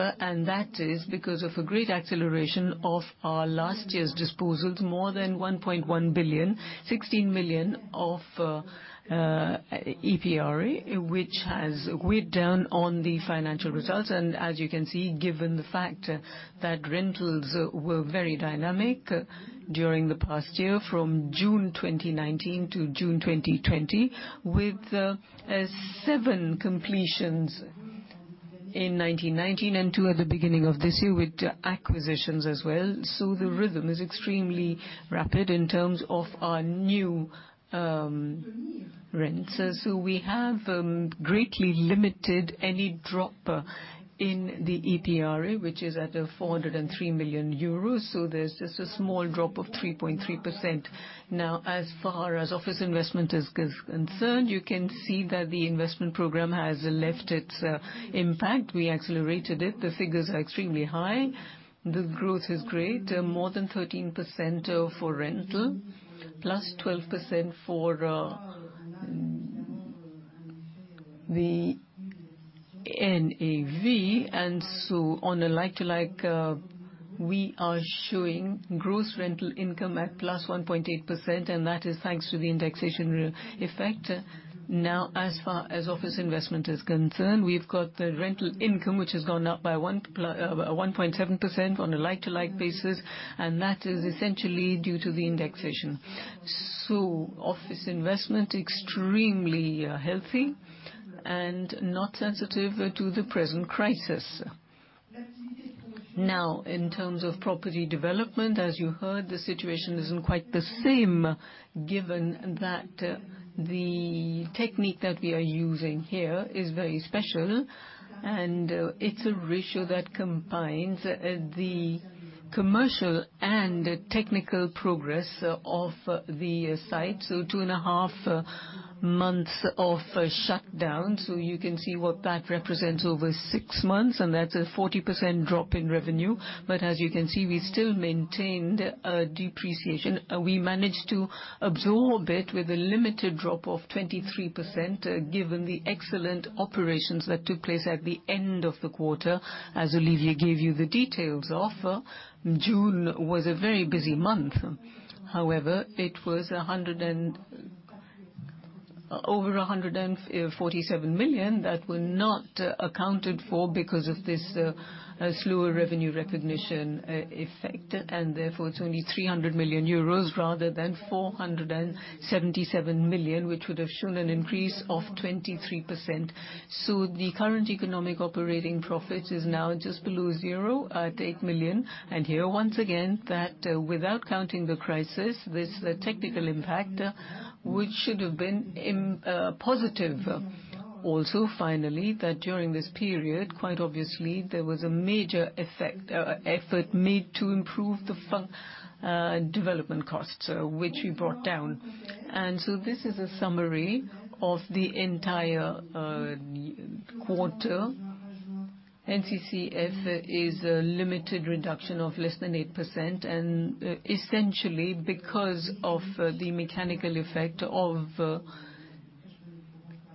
C: that is because of a great acceleration of our last year's disposals, more than 1.1 billion, 16 million of EPRA, which has weighed down on the financial results. As you can see, given the fact that rentals were very dynamic during the past year, from June 2019 to June 2020, with seven completions in 2019, and two at the beginning of this year, with acquisitions as well. The rhythm is extremely rapid in terms of our new rents. We have greatly limited any drop in the EPRA, which is at 403 million euros. There is just a small drop of 3.3%. As far as office investment is concerned, you can see that the investment program has left its impact. We accelerated it. The figures are extremely high. The growth is great, more than 13% for rental, plus 12% for the NAV. On a like-for-like, we are showing gross rental income at plus 1.8%, that is thanks to the indexation effect. As far as office investment is concerned, we have got the rental income, which has gone up by 1.7% on a like-for-like basis, that is essentially due to the indexation. Office investment extremely healthy and not sensitive to the present crisis. In terms of property development, as you heard, the situation is not quite the same given that the technique that we are using here is very special, it is a ratio that combines the commercial and technical progress of the site. Two and a half months of shutdown. You can see what that represents over six months, and that is a 40% drop in revenue. As you can see, we still maintained a depreciation. We managed to absorb it with a limited drop of 23%, given the excellent operations that took place at the end of the quarter, as Olivier gave you the details of. June was a very busy month. However, it was over 147 million that were not accounted for because of this slower revenue recognition effect. Therefore, it is only 300 million euros rather than 477 million, which would have shown an increase of 23%. The current economic operating profit is now just below zero at 8 million. Here, once again, without counting the crisis, there is a technical impact which should have been positive. Finally, during this period, quite obviously, there was a major effort made to improve the development costs, which we brought down. This is a summary of the entire quarter. NCCF is a limited reduction of less than 8%, essentially because of the mechanical effect of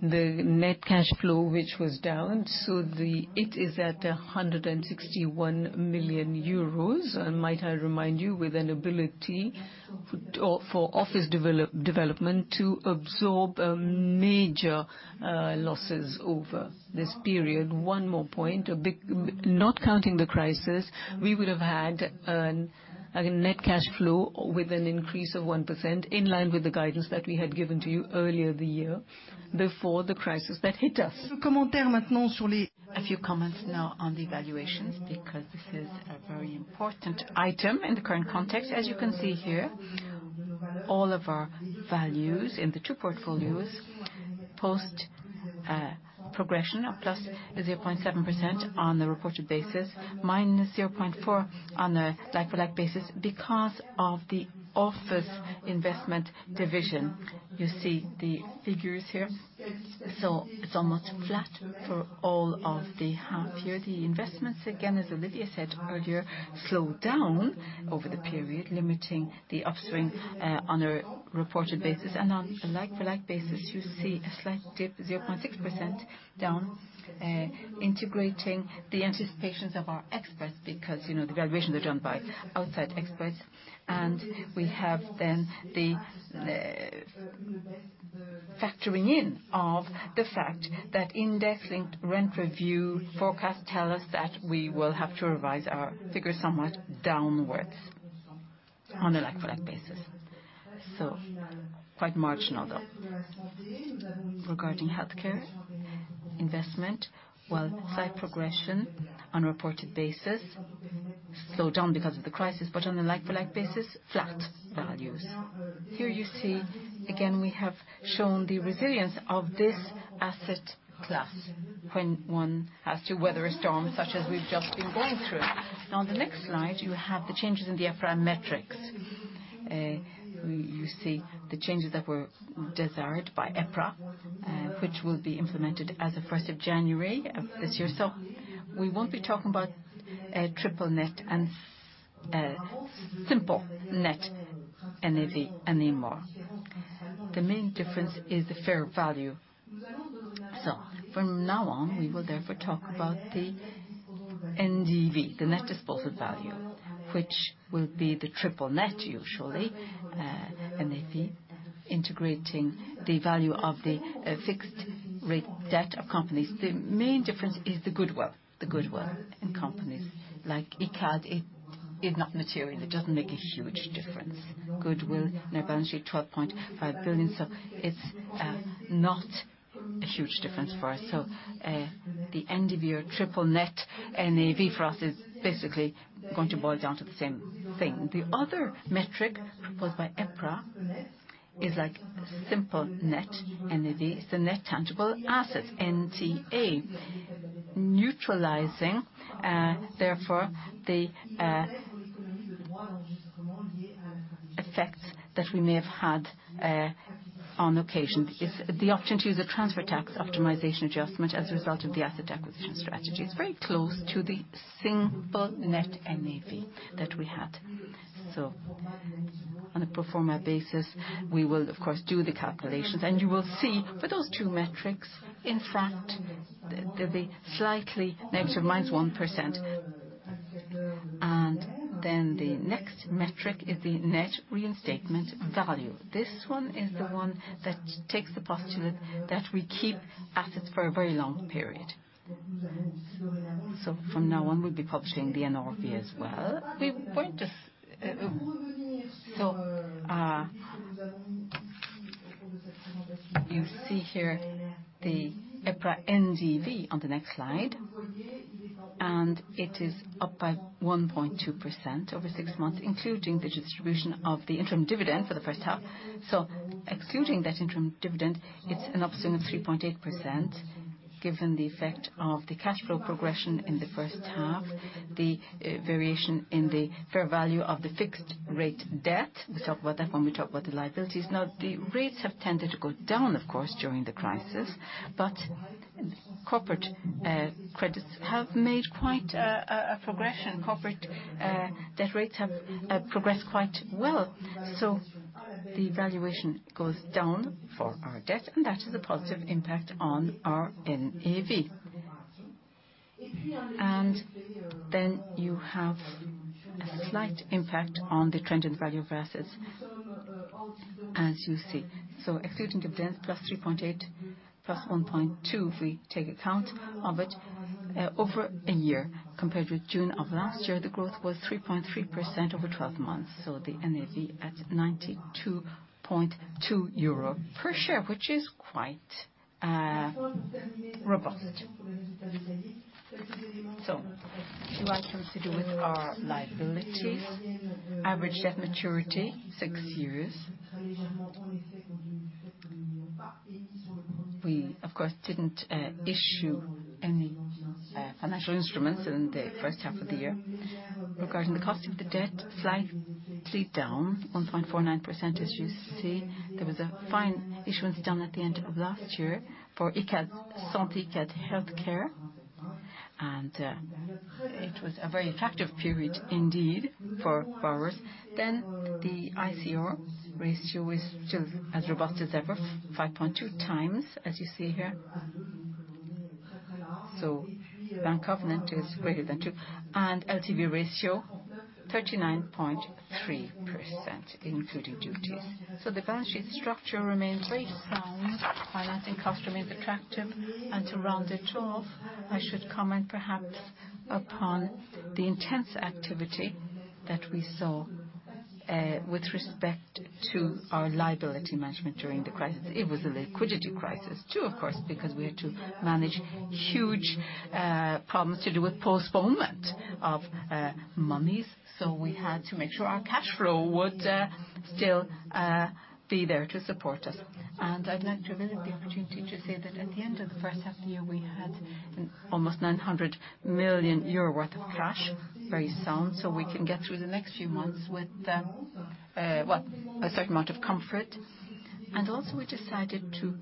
C: the net cash flow, which was down. It is at 161 million euros, and might I remind you, with an ability for office development to absorb major losses over this period. One more point. Not counting the crisis, we would have had a net cash flow with an increase of 1%, in line with the guidance that we had given to you earlier the year before the crisis that hit us. A few comments now on the evaluations, because this is a very important item in the current context. As you can see here, all of our values in the two portfolios, post progression, are +0.7% on the reported basis, -0.4% on a like-for-like basis because of the office investment division. You see the figures here. It is almost flat for all of the half year. The investments, again, as Olivier said earlier, slowed down over the period, limiting the upswing on a reported basis. On a like-for-like basis, you see a slight dip, -0.6%, integrating the anticipations of our experts because the valuations are done by outside experts. We have then the factoring in of the fact that index-linked rent review forecasts tell us that we will have to revise our figures somewhat downwards. On a like-for-like basis. Quite marginal, though. Regarding healthcare investment, while site progression on a reported basis slowed down because of the crisis, on a like-for-like basis, flat values. Here you see again, we have shown the resilience of this asset class when one has to weather a storm such as we have just been going through. On the next slide, you have the changes in the EPRA metrics. You see the changes that were desired by EPRA, which will be implemented as of January 1st of this year. We will not be talking about triple net and simple net NAV anymore. The main difference is the fair value. From now on, we will therefore talk about the NDV, the net disposal value, which will be the triple net, usually, NAV, integrating the value of the fixed rate debt of companies. The main difference is the goodwill. The goodwill in companies like Icade is not material. It doesn't make a huge difference. Goodwill, net balance sheet, 12.5 billion, it's not a huge difference for us. The NDV or triple net NAV for us is basically going to boil down to the same thing. The other metric proposed by EPRA is simple net NAV. It's the net tangible assets, NTA. Neutralizing, therefore, the effects that we may have had on occasion. The option to use a transfer tax optimization adjustment as a result of the asset acquisition strategy. It's very close to the simple net NAV that we had. On a pro forma basis, we will of course do the calculations, and you will see for those two metrics, in fact, they'll be slightly negative, -1%. The next metric is the net reinstatement value. This one is the one that takes the postulate that we keep assets for a very long period. From now on, we'll be publishing the NRV as well. You see here the EPRA NDV on the next slide, it is up by 1.2% over six months, including the distribution of the interim dividend for the first half. Excluding that interim dividend, it's an upstream of 3.8%, given the effect of the cash flow progression in the first half, the variation in the fair value of the fixed rate debt. We talk about that when we talk about the liabilities. The rates have tended to go down, of course, during the crisis, but corporate credits have made quite a progression. Corporate debt rates have progressed quite well. The valuation goes down for our debt, and that has a positive impact on our NAV. You have a slight impact on the trend in value of our assets, as you see. Excluding dividends, plus 3.8%, plus 1.2%, if we take account of it, over a year. Compared with June of last year, the growth was 3.3% over 12 months. The NAV at 92.2 euro per share, which is quite robust. Two items to do with our liabilities. Average debt maturity, six years. We, of course, didn't issue any financial instruments in the first half of the year. Regarding the cost of the debt, slightly down, 1.49%, as you see. There was a fine issuance done at the end of last year for Icade Santé, Icade Healthcare, it was a very attractive period indeed for borrowers. The ICR ratio is still as robust as ever, 5.2 times, as you see here. Bank covenant is greater than two. LTV ratio, 39.3%, including duties. The balance sheet structure remains very sound. Financing cost remains attractive. To round it off, I should comment perhaps upon the intense activity that we saw with respect to our liability management during the crisis. It was a liquidity crisis, too, of course, because we had to manage huge problems to do with postponement of monies. We had to make sure our cash flow would still be there to support us. I'd like to avail of the opportunity to say that at the end of the first half of the year, we had almost 900 million euro worth of cash, very sound. We can get through the next few months with a certain amount of comfort. We decided to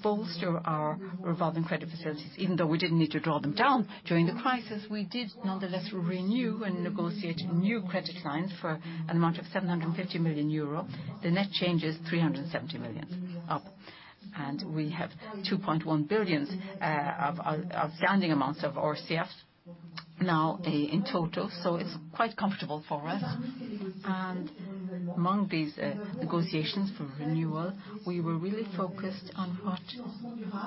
C: bolster our revolving credit facilities. Even though we didn't need to draw them down during the crisis, we did nonetheless renew and negotiate new credit lines for an amount of 750 million euro. The net change is 370 million up. We have 2.1 billion of outstanding amounts of our RCFs now in total. It's quite comfortable for us. Among these negotiations for renewal, we were really focused on what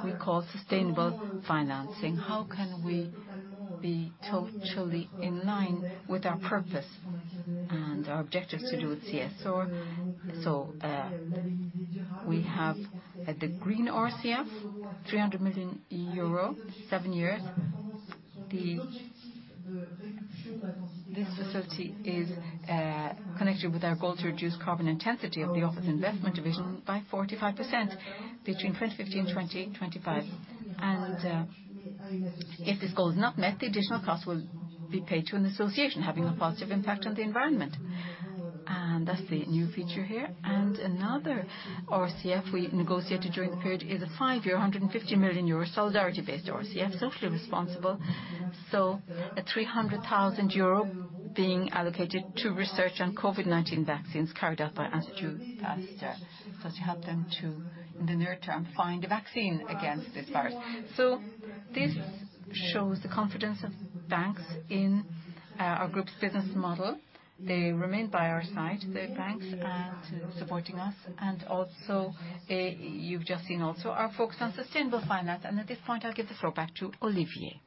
C: we call sustainable financing. How can we be totally in line with our purpose and our objectives to do with CSR? We have the green RCF, 300 million euro, seven years. This facility is connected with our goal to reduce carbon intensity of the Office Investment Division by 45% between 2015 and 2025. If this goal is not met, the additional cost will be paid to an association having a positive impact on the environment. That's the new feature here. Another RCF we negotiated during the period is a five-year, 150 million euro solidarity-based RCF, socially responsible. 300,000 euro being allocated to research on COVID-19 vaccines carried out by Institut Pasteur. To help them in the near term find a vaccine against this virus. This shows the confidence of banks in our group's business model. They remain by our side, the banks, supporting us, and you've just seen our focus on sustainable finance. At this point, I'll give the floor back to Olivier.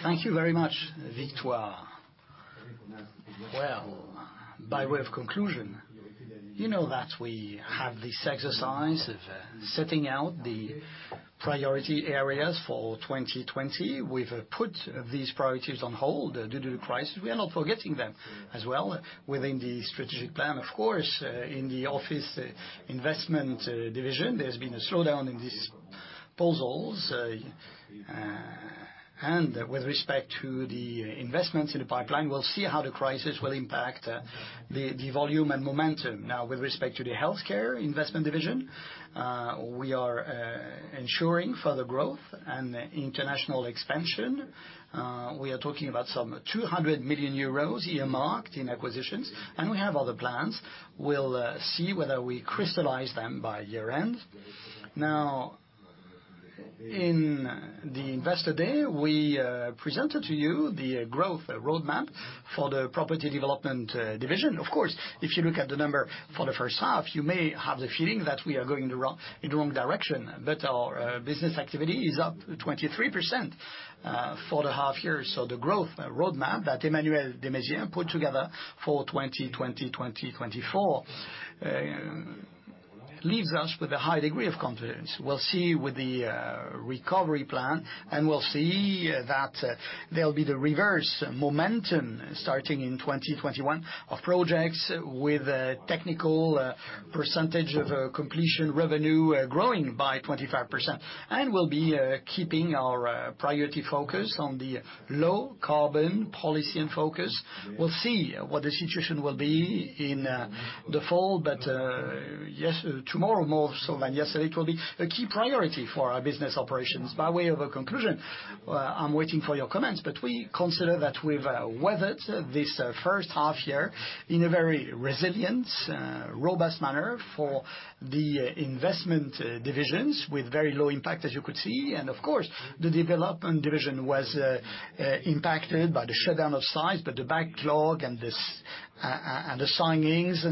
A: Thank you very much, Victoire. By way of conclusion, you know that we have this exercise of setting out the priority areas for 2020. We've put these priorities on hold due to the crisis. We are not forgetting them as well within the strategic plan, of course. In the Office Investment Division, there's been a slowdown in these disposals. With respect to the investments in the pipeline, we'll see how the crisis will impact the volume and momentum. Now, with respect to the Healthcare Investment Division, we are ensuring further growth and international expansion. We are talking about some 200 million euros earmarked in acquisitions, and we have other plans. We'll see whether we crystallize them by year-end. Now, in the Investor Day, we presented to you the growth roadmap for the Property Development Division. Of course, if you look at the number for the first half, you may have the feeling that we are going in the wrong direction, but our business activity is up 23% for the half year. The growth roadmap that Emmanuel Desmaizières put together for 2020, 2024, leaves us with a high degree of confidence. We'll see with the recovery plan, and we'll see that there'll be the reverse momentum starting in 2021 of projects with a technical percentage of completion revenue growing by 25%. We'll be keeping our priority focus on the low carbon policy. We'll see what the situation will be in the fall. But tomorrow, more so than yesterday, it will be a key priority for our business operations. By way of a conclusion, I'm waiting for your comments, but we consider that we've weathered this first half-year in a very resilient, robust manner for the Investment Divisions with very low impact, as you could see. Of course, the Development Division was impacted by the shutdown of sites, but the backlog and the signings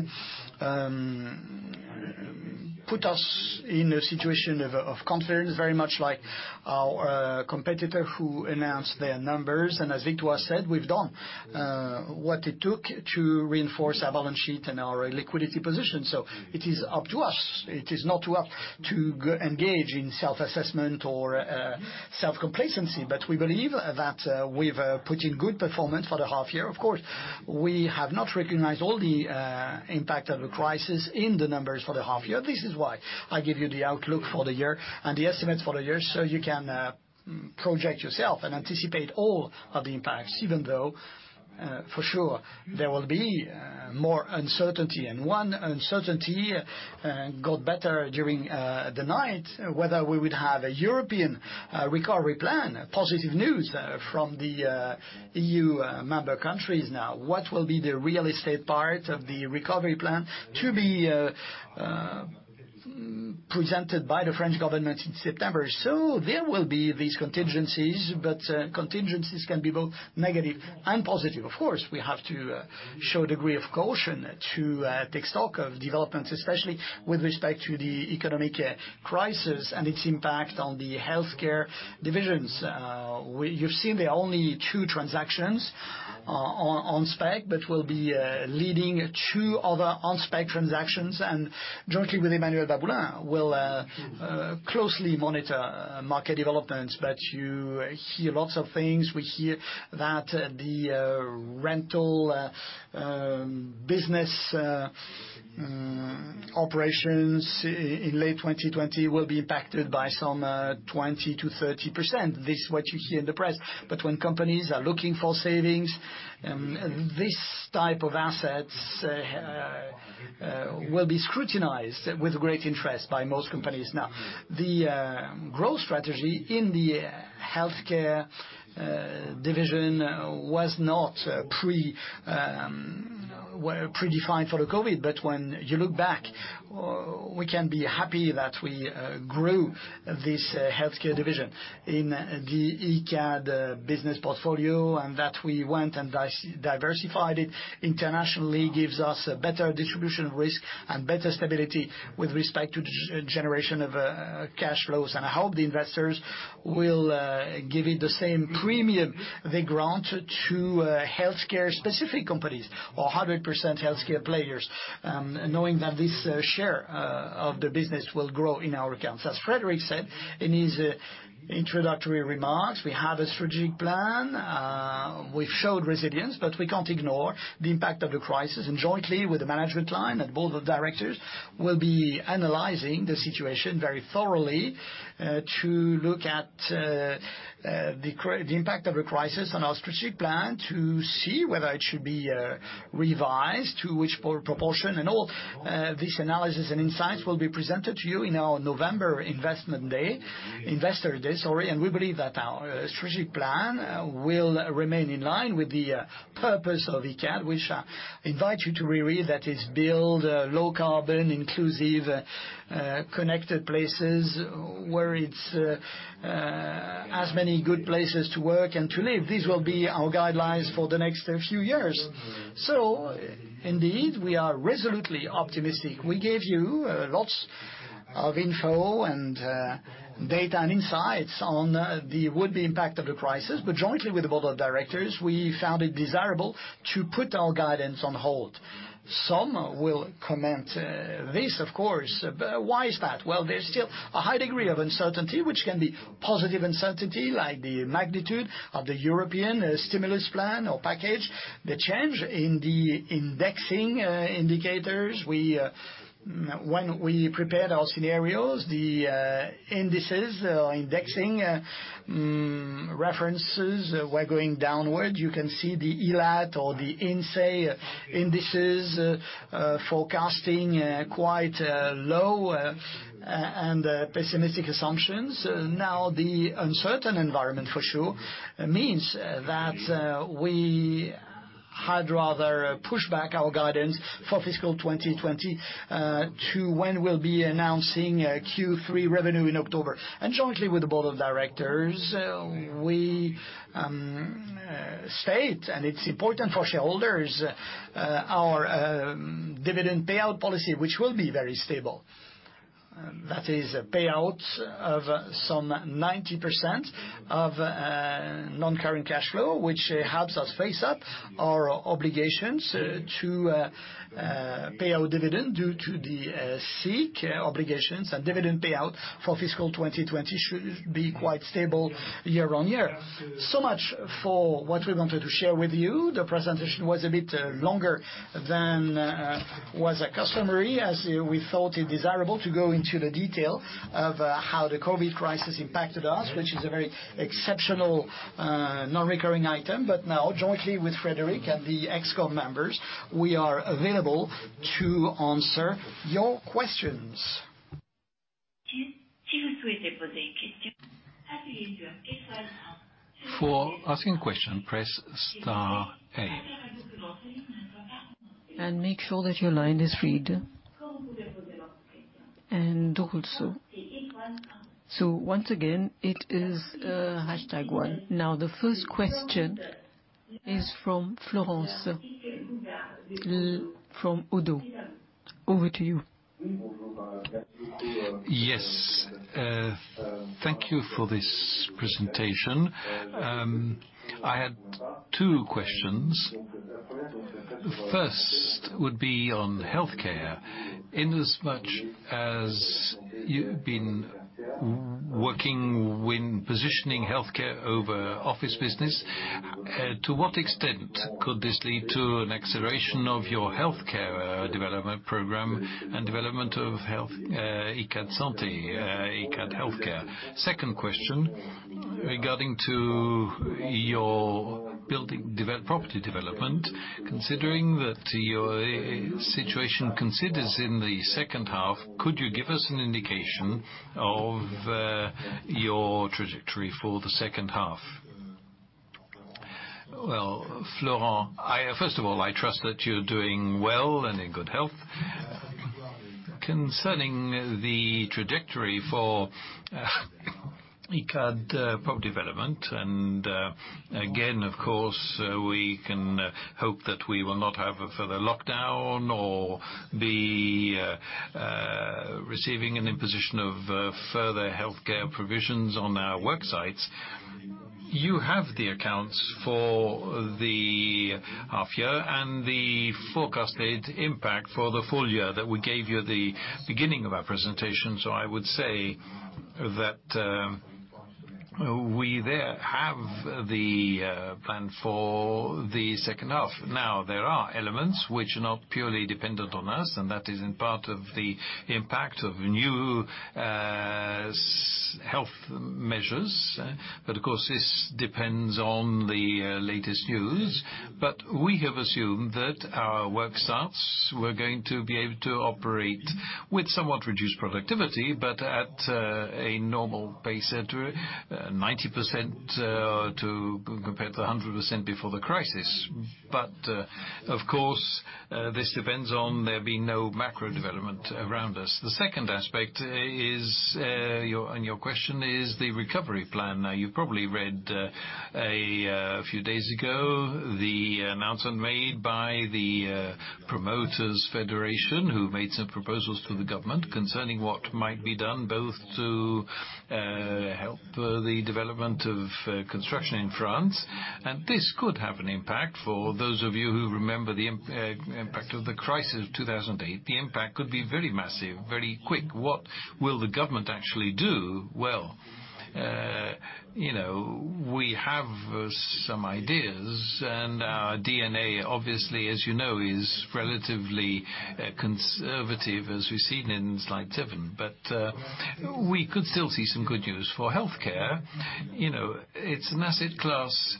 A: put us in a situation of confidence, very much like our competitor who announced their numbers. As Victoire said, we've done what it took to reinforce our balance sheet and our liquidity position. It is up to us. It is not up to engage in self-assessment or self-complacency, but we believe that we've put in good performance for the half-year. Of course, we have not recognized all the impact of the crisis in the numbers for the half-year. This is why I give you the outlook for the year and the estimates for the year so you can project yourself and anticipate all of the impacts, even though, for sure, there will be more uncertainty. One uncertainty got better during the night, whether we would have a European Recovery Plan, positive news from the EU member countries now. What will be the real estate part of the recovery plan to be presented by the French government in September. There will be these contingencies, but contingencies can be both negative and positive. Of course, we have to show a degree of caution to take stock of developments, especially with respect to the economic crisis and its impact on the Healthcare Divisions. You've seen there are only two transactions on spec, but we'll be leading two other on-spec transactions, and jointly with Emmanuel Baboulin, we'll closely monitor market developments. You hear lots of things. We hear that the rental business operations in late 2020 will be impacted by some 20%-30%. This is what you see in the press. When companies are looking for savings, this type of assets will be scrutinized with great interest by most companies. The growth strategy in the Healthcare Division was not predefined for the COVID. When you look back, we can be happy that we grew this Healthcare Division in the Icade business portfolio, and that we went and diversified it internationally gives us a better distribution of risk and better stability with respect to generation of cash flows. I hope the investors will give it the same premium they grant to healthcare-specific companies, or 100% Healthcare players, knowing that this share of the business will grow in our accounts. As Frédéric said in his introductory remarks, we have a strategic plan. We've showed resilience, but we can't ignore the impact of the crisis. Jointly with the management line and Board of Directors, we'll be analyzing the situation very thoroughly to look at the impact of the crisis on our strategic plan to see whether it should be revised, to which proportion, and all this analysis and insights will be presented to you in our November Investor Day. We believe that our strategic plan will remain in line with the purpose of Icade, which I invite you to reread, that is build low carbon, inclusive, connected places where it's as many good places to work and to live. These will be our guidelines for the next few years. Indeed, we are resolutely optimistic. We gave you lots of info and data and insights on the would-be impact of the crisis. Jointly with the Board of Directors, we found it desirable to put our guidance on hold. Some will comment this, of course. Why is that? There's still a high degree of uncertainty, which can be positive uncertainty like the magnitude of the European stimulus plan or package, the change in the indexing indicators. When we prepared our scenarios, the indices, indexing references were going downward. You can see the ILAT or the INSEE indices forecasting quite low and pessimistic assumptions. The uncertain environment, for sure, means that we had rather push back our guidance for fiscal 2020 to when we'll be announcing Q3 revenue in October. Jointly with the Board of Directors, we state, and it's important for shareholders, our dividend payout policy, which will be very stable. That is a payout of some 90% of non-current cash flow, which helps us face up our obligations to payout dividend due to the SIIC obligations. Dividend payout for fiscal 2020 should be quite stable year-on-year. Much for what we wanted to share with you. The presentation was a bit longer than was customary, as we thought it desirable to go into the detail of how the COVID crisis impacted us, which is a very exceptional non-recurring item. Now, jointly with Frédéric and the ExCo members, we are available to answer your questions.
D: For asking a question, press star eight. Make sure that your line is free. Also. Once again, it is hashtag one. The first question is from Florent, from ODDO. Over to you.
E: Yes. Thank you for this presentation. I had two questions. First would be on healthcare. In as much as you've been working when positioning healthcare over office business, to what extent could this lead to an acceleration of your healthcare development program and development of Icade Santé, Icade Healthcare? Second question, regarding to your property development, considering that your situation considers in the second half, could you give us an indication of your trajectory for the second half?
B: Well, Florent, first of all, I trust that you're doing well and in good health. Concerning the trajectory for Icade property development, again, of course, we can hope that we will not have a further lockdown or be receiving an imposition of further healthcare provisions on our work sites. You have the accounts for the half year and the forecasted impact for the full year that we gave you the beginning of our presentation. We there have the plan for the second half. There are elements which are not purely dependent on us, and that is in part of the impact of new health measures. Of course, this depends on the latest news. We have assumed that our work starts. We're going to be able to operate with somewhat reduced productivity, but at a normal pace, 90% compared to 100% before the crisis. Of course, this depends on there being no macro development around us. The second aspect in your question is the recovery plan. You probably read a few days ago the announcement made by the Promoters' Federation, who made some proposals to the government concerning what might be done, both to help the development of construction in France, this could have an impact. For those of you who remember the impact of the crisis of 2008, the impact could be very massive, very quick. What will the government actually do? Well, we have some ideas, our DNA, obviously, as you know, is relatively conservative as we've seen in slide seven. We could still see some good news. For healthcare, it's an asset class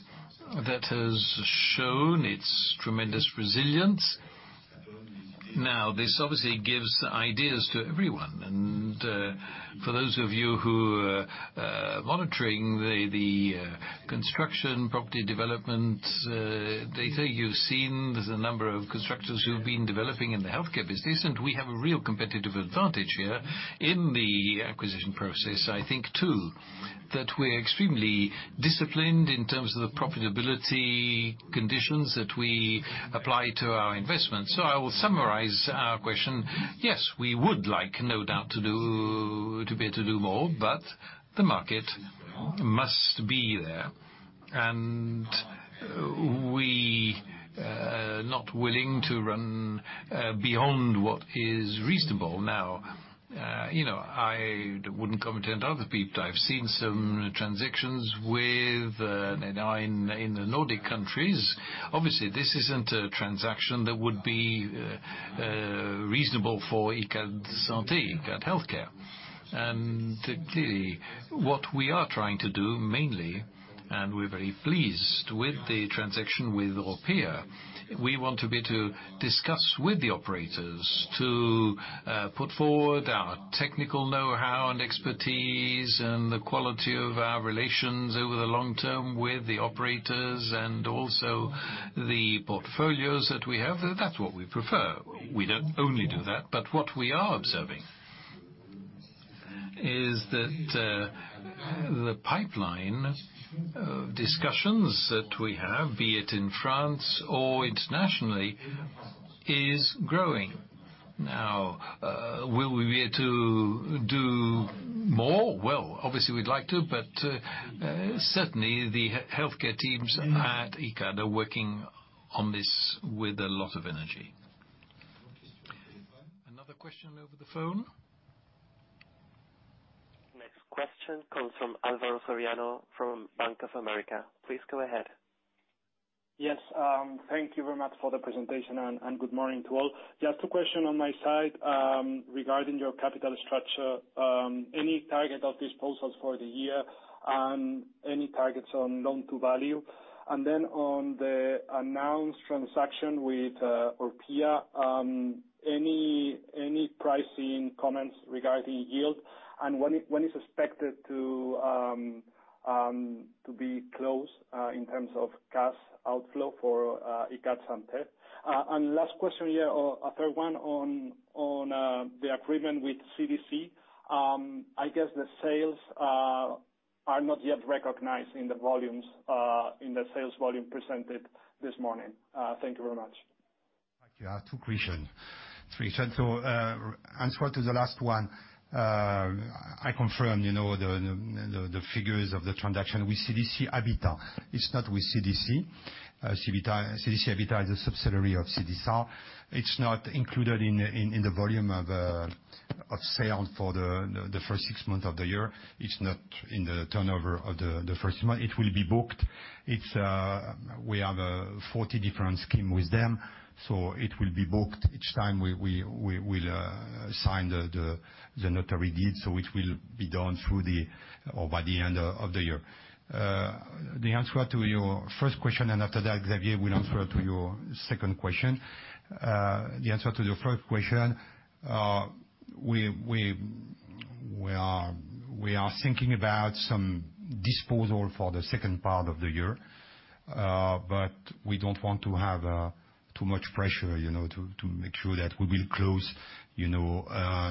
B: that has shown its tremendous resilience. This obviously gives ideas to everyone. For those of you who are monitoring the construction, property development data, you've seen there's a number of constructors who've been developing in the healthcare business, we have a real competitive advantage here in the acquisition process, I think, too, that we're extremely disciplined in terms of the profitability conditions that we apply to our investments. I will summarize our question. Yes, we would like, no doubt, to be able to do more, but the market must be there, and we not willing to run beyond what is reasonable. I wouldn't comment on other people. I've seen some transactions in the Nordic countries. Obviously, this isn't a transaction that would be reasonable for Icade Santé, Icade Healthcare. Clearly, what we are trying to do, mainly, and we're very pleased with the transaction with Orpea. We want to be able to discuss with the operators to put forward our technical know-how and expertise and the quality of our relations over the long term with the operators and also the portfolios that we have. That's what we prefer. We don't only do that, but what we are observing is that the pipeline of discussions that we have, be it in France or internationally, is growing. Will we be able to do more? Well, obviously, we'd like to, but certainly, the healthcare teams at Icade are working on this with a lot of energy.
D: Another question over the phone. Next question comes from Álvaro Soriano from Bank of America. Please go ahead. Thank you very much for the presentation, and good morning to all. Just two question on my side regarding your capital structure. Any target of disposals for the year, and any targets on loan to value? On the announced transaction with Orpea, any pricing comments regarding yield, and when is expected to be closed in terms of cash outflow for Icade Santé? Last question, a third one on the agreement with CDC. I guess the sales are not yet recognized in the sales volume presented this morning. Thank you very much.
B: Thank you. Two questions. Three. Answer to the last one. I confirm the figures of the transaction with CDC Habitat. It's not with CDC. CDC Habitat is a subsidiary of CDC. It's not included in the volume of sales for the first 6 months of the year. It's not in the turnover of the first month. It will be booked. We have 40 different schemes with them, so it will be booked each time we sign the notary deed. It will be done by the end of the year. The answer to your first question, and after that, Xavier will answer to your second question. The answer to the first question. We are thinking about some disposal for the second part of the year. We don't want to have too much pressure, to make sure that we will close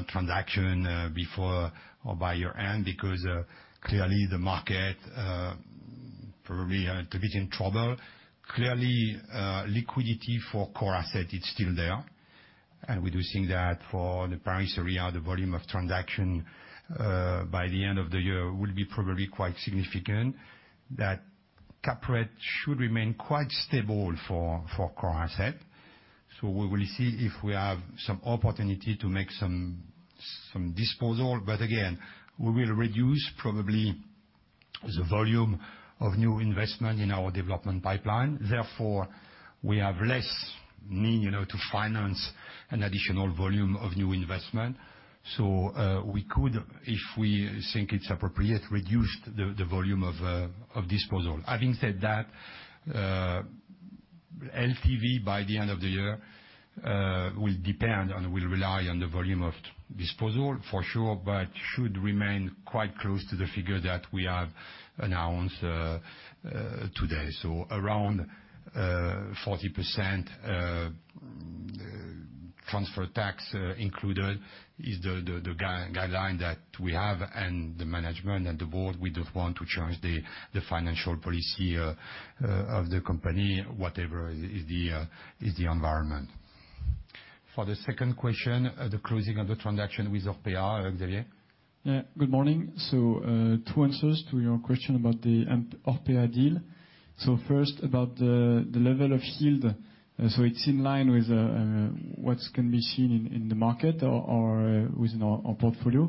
B: transaction before or by year-end, because clearly the market probably a little bit in trouble. Clearly, liquidity for core assets, it's still there. We do think that for the Paris area, the volume of transaction by the end of the year will be probably quite significant. That cap rate should remain quite stable for core assets. We will see if we have some opportunity to make some disposal. Again, we will reduce probably the volume of new investment in our development pipeline. Therefore, we have less need to finance an additional volume of new investment. We could, if we think it's appropriate, reduce the volume of disposal. Having said that, LTV by the end of the year will depend and will rely on the volume of disposal for sure, but should remain quite close to the figure that we have announced today. Around 40%, transfer tax included, is the guideline that we have, and the management and the board, we don't want to change the financial policy of the company, whatever is the environment. For the second question, the closing of the transaction with Orpea. Xavier?
F: Good morning. Two answers to your question about the Orpea deal. First, about the level of yield. It's in line with what can be seen in the market or within our portfolio.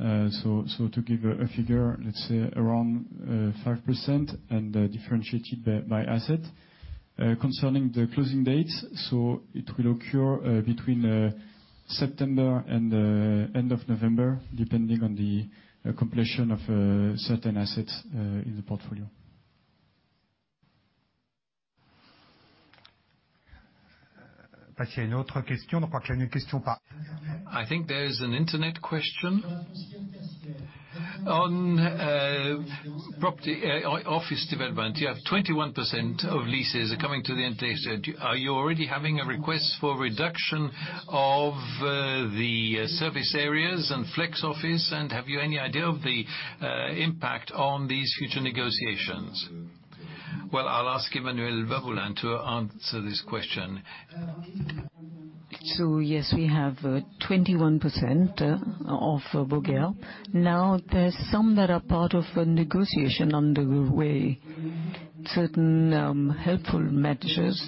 F: To give a figure, let's say around 5% and differentiated by asset. Concerning the closing dates, it will occur between September and the end of November, depending on the completion of certain assets in the portfolio.
B: I think there is an internet question. On office development, you have 21% of leases are coming to the end stage. Are you already having a request for reduction of the service areas and flex office? Have you any idea of the impact on these future negotiations? Well, I'll ask Emmanuel Levolon to answer this question.
G: Yes, we have 21% of Beauvais. Now, there's some that are part of a negotiation underway. Certain helpful measures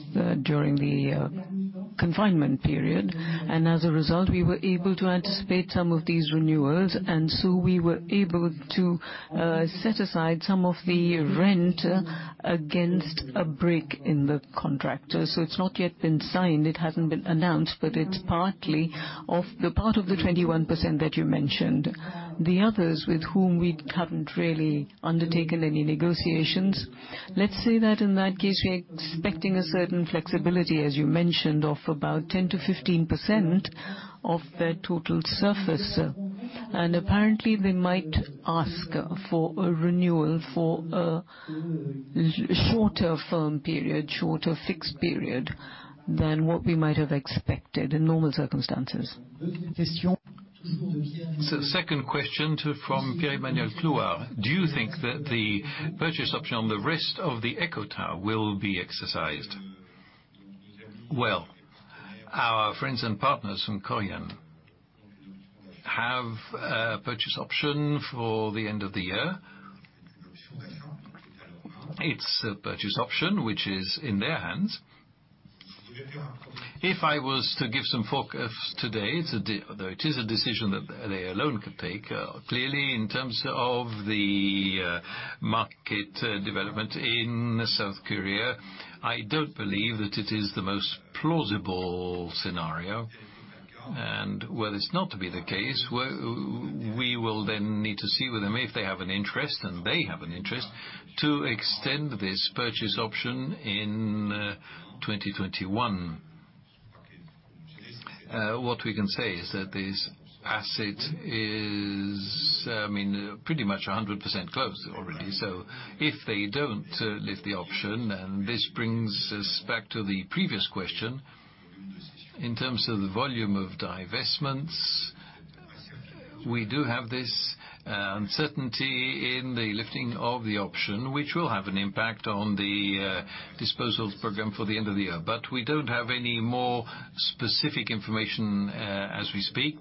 G: during the confinement period. As a result, we were able to anticipate some of these renewals. We were able to set aside some of the rent against a break in the contract. It's not yet been signed. It hasn't been announced, but it's partly of the part of the 21% that you mentioned. The others with whom we haven't really undertaken any negotiations, let's say that in that case, we're expecting a certain flexibility, as you mentioned, of about 10%-15% of their total surface. Apparently, they might ask for a renewal for a shorter firm period, shorter fixed period than what we might have expected in normal circumstances.
B: Second question from Pierre-Emmanuel Plouin. Do you think that the purchase option on the rest of the Eqho Tower will be exercised? Well, our friends and partners from Keohane have a purchase option for the end of the year. It's a purchase option, which is in their hands. If I was to give some forecast today, although it is a decision that they alone could take, clearly, in terms of the market development in South Korea, I don't believe that it is the most plausible scenario. Where it's not to be the case, we will then need to see with them if they have an interest, and they have an interest, to extend this purchase option in 2021. What we can say is that this asset is pretty much 100% closed already. If they don't lift the option, and this brings us back to the previous question, in terms of the volume of divestments, we do have this uncertainty in the lifting of the option, which will have an impact on the disposals program for the end of the year. We don't have any more specific information as we speak.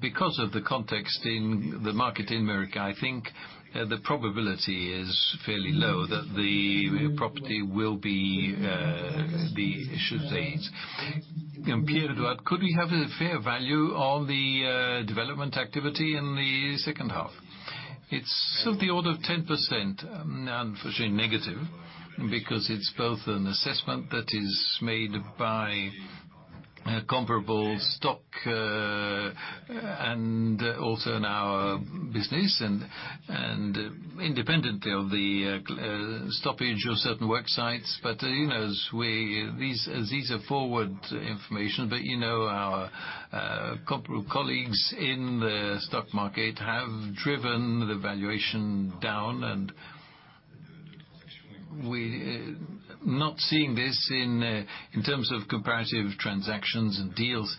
B: Because of the context in the market in America, I think the probability is fairly low that the property will be issued late. Pierre-Edouard, could we have a fair value on the development activity in the second half? It's of the order of 10%, unfortunately negative, because it's both an assessment that is made by comparable stock and also in our business and independently of the stoppage of certain work sites. These are forward information. Our colleagues in the stock market have driven the valuation down. We're not seeing this in terms of comparative transactions and deals.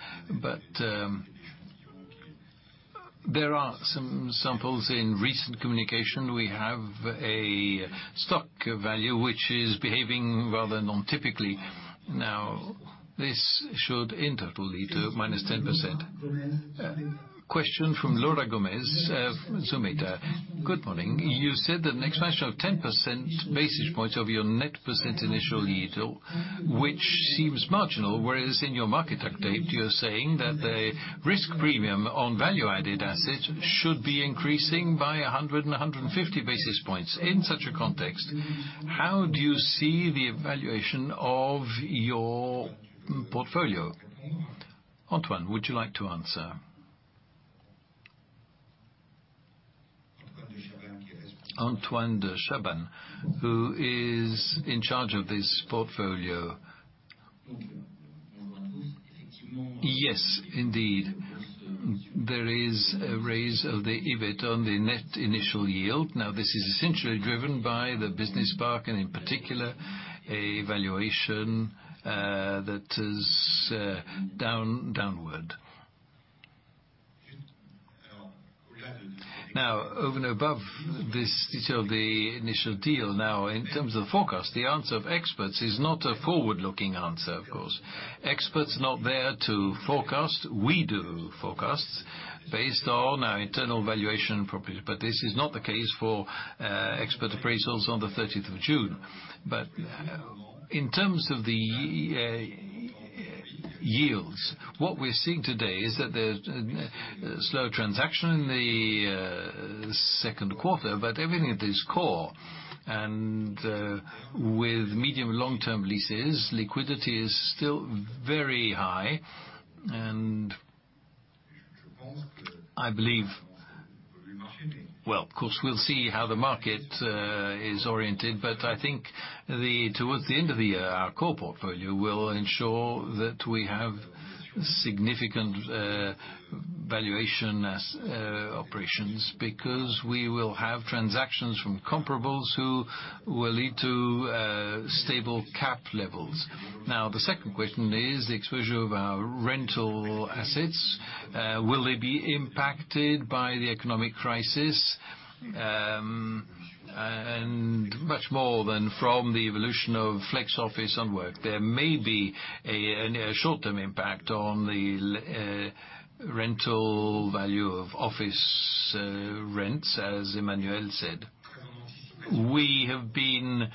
B: There are some samples in recent communication. We have a stock value, which is behaving rather non-typically. This should in total lead to minus 10%. Question from Laura Gomez, of Sumita. Good morning. You said that an expansion of 10 percentage points of your net present initial yield, which seems marginal, whereas in your market update, you're saying that the risk premium on value-added assets should be increasing by 100 and 150 basis points. In such a context, how do you see the evaluation of your portfolio? Antoine, would you like to answer? Antoine de Chaban, who is in charge of this portfolio. Yes, indeed. There is a raise of the EBIT on the net initial yield. This is essentially driven by the business park and, in particular, a valuation that is downward. Over and above this detail of the initial deal. In terms of forecast, the answer of experts is not a forward-looking answer, of course. Experts are not there to forecast. We do forecasts based on our internal valuation properties. This is not the case for expert appraisals on the 30th of June. In terms of the yields, what we're seeing today is that there's a slow transaction in the second quarter, but everything at its core. With medium and long-term leases, liquidity is still very high, and I believe Well, of course, we'll see how the market is oriented. I think towards the end of the year, our core portfolio will ensure that we have significant valuation operations, because we will have transactions from comparables who will lead to stable cap levels. The second question is the exposure of our rental assets. Will they be impacted by the economic crisis, much more than from the evolution of flex office and work? There may be a short-term impact on the rental value of office rents, as Emmanuel said. We have been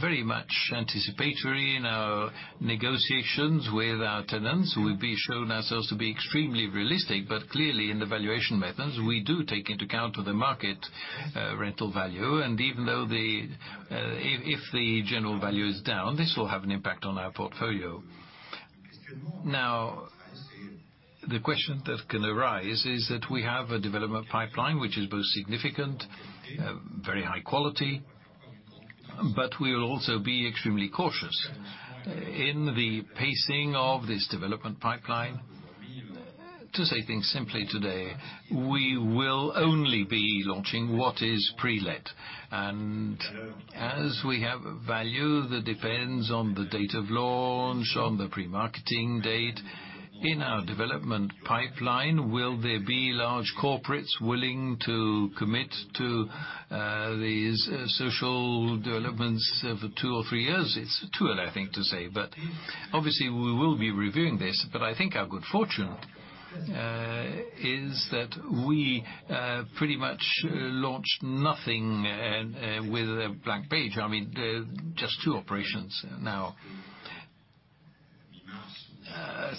B: very much anticipatory in our negotiations with our tenants. We've shown ourselves to be extremely realistic. Clearly, in the valuation methods, we do take into account the market rental value, and even though if the general value is down, this will have an impact on our portfolio. The question that can arise is that we have a development pipeline, which is both significant, very high quality, but we will also be extremely cautious in the pacing of this development pipeline. To say things simply today, we will only be launching what is pre-let. As we have a value that depends on the date of launch, on the pre-marketing date in our development pipeline, will there be large corporates willing to commit to these social developments over two or three years? It's too early, I think, to say, but obviously, we will be reviewing this. I think our good fortune is that we pretty much launched nothing with a blank page. Just two operations now.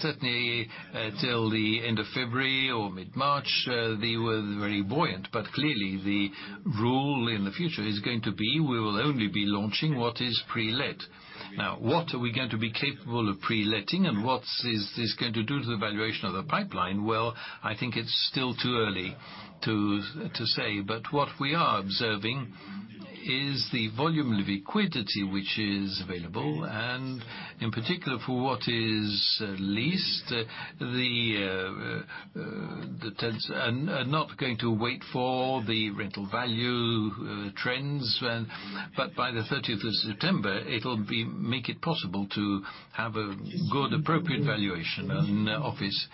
B: Certainly, until the end of February or mid-March, they were very buoyant, clearly, the rule in the future is going to be, we will only be launching what is pre-let. What are we going to be capable of pre-letting, and what is this going to do to the valuation of the pipeline? I think it's still too early to say, what we are observing is the volume of liquidity which is available and in particular, for what is leased. The tenants are not going to wait for the rental value trends, but by the 30th of September, it'll make it possible to have a good, appropriate valuation on the office.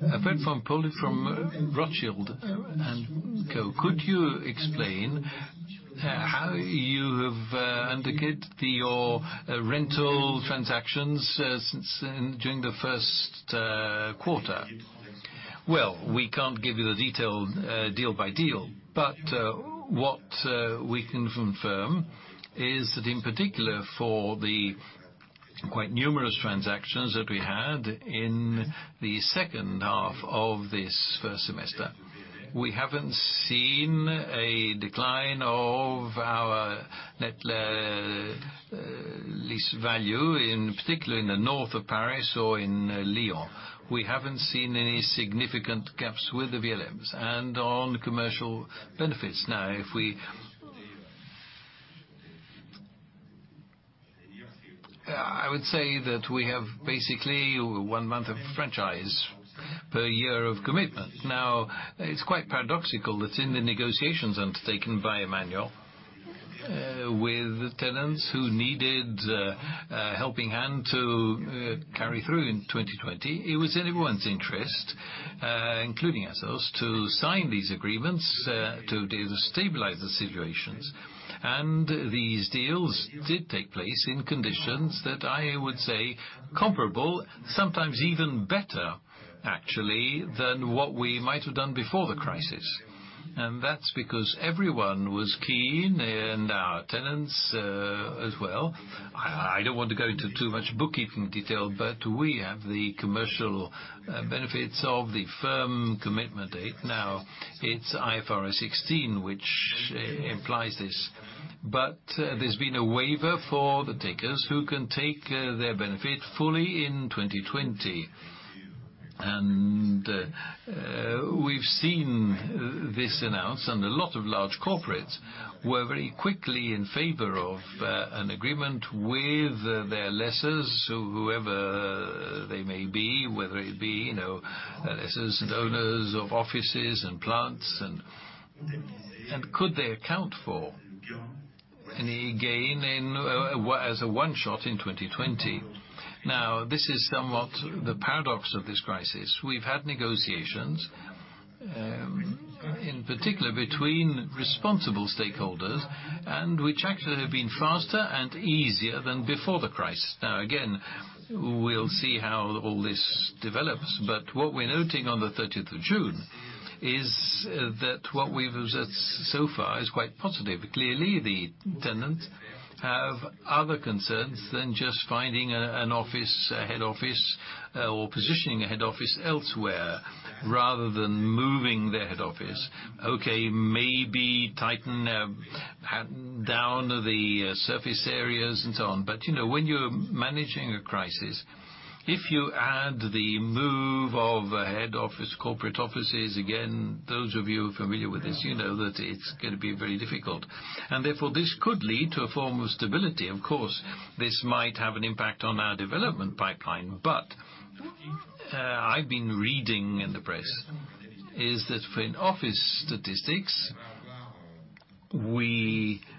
B: A point from Rothschild & Co. Could you explain how you have indicated your rental transactions since during the first quarter? We can't give you the detailed deal by deal. What we can confirm is that in particular for the quite numerous transactions that we had in the second half of this first semester, we haven't seen a decline of our net lease value, in particular in the north of Paris or in Lyon. We haven't seen any significant gaps with the VLMs. On commercial benefits. I would say that we have basically one month of franchise per year of commitment. It's quite paradoxical that in the negotiations undertaken by Emmanuel with the tenants who needed a helping hand to carry through in 2020, it was in everyone's interest, including ourselves, to sign these agreements to stabilize the situations. These deals did take place in conditions that I would say comparable, sometimes even better, actually, than what we might have done before the crisis. That's because everyone was keen, and our tenants as well. I don't want to go into too much bookkeeping detail, we have the commercial benefits of the firm commitment date. It's IFRS 16, which implies this. There's been a waiver for the takers who can take their benefit fully in 2020. We've seen this announced, a lot of large corporates were very quickly in favor of an agreement with their lessors, whoever they may be, whether it be lessors and owners of offices and plants, and could they account for any gain as a one-shot in 2020. This is somewhat the paradox of this crisis. We've had negotiations, in particular between responsible stakeholders, which actually have been faster and easier than before the crisis. Again, we'll see how all this develops, what we're noting on the 30th of June is that what we've observed so far is quite positive. Clearly, the tenants have other concerns than just finding an office, a head office, or positioning a head office elsewhere rather than moving their head office. Okay, maybe tighten down the surface areas and so on. When you're managing a crisis, if you add the move of a head office, corporate offices, again, those of you who are familiar with this, you know that it's going to be very difficult. Therefore, this could lead to a form of stability. Of course, this might have an impact on our development pipeline. I've been reading in the press is that for office statistics, we are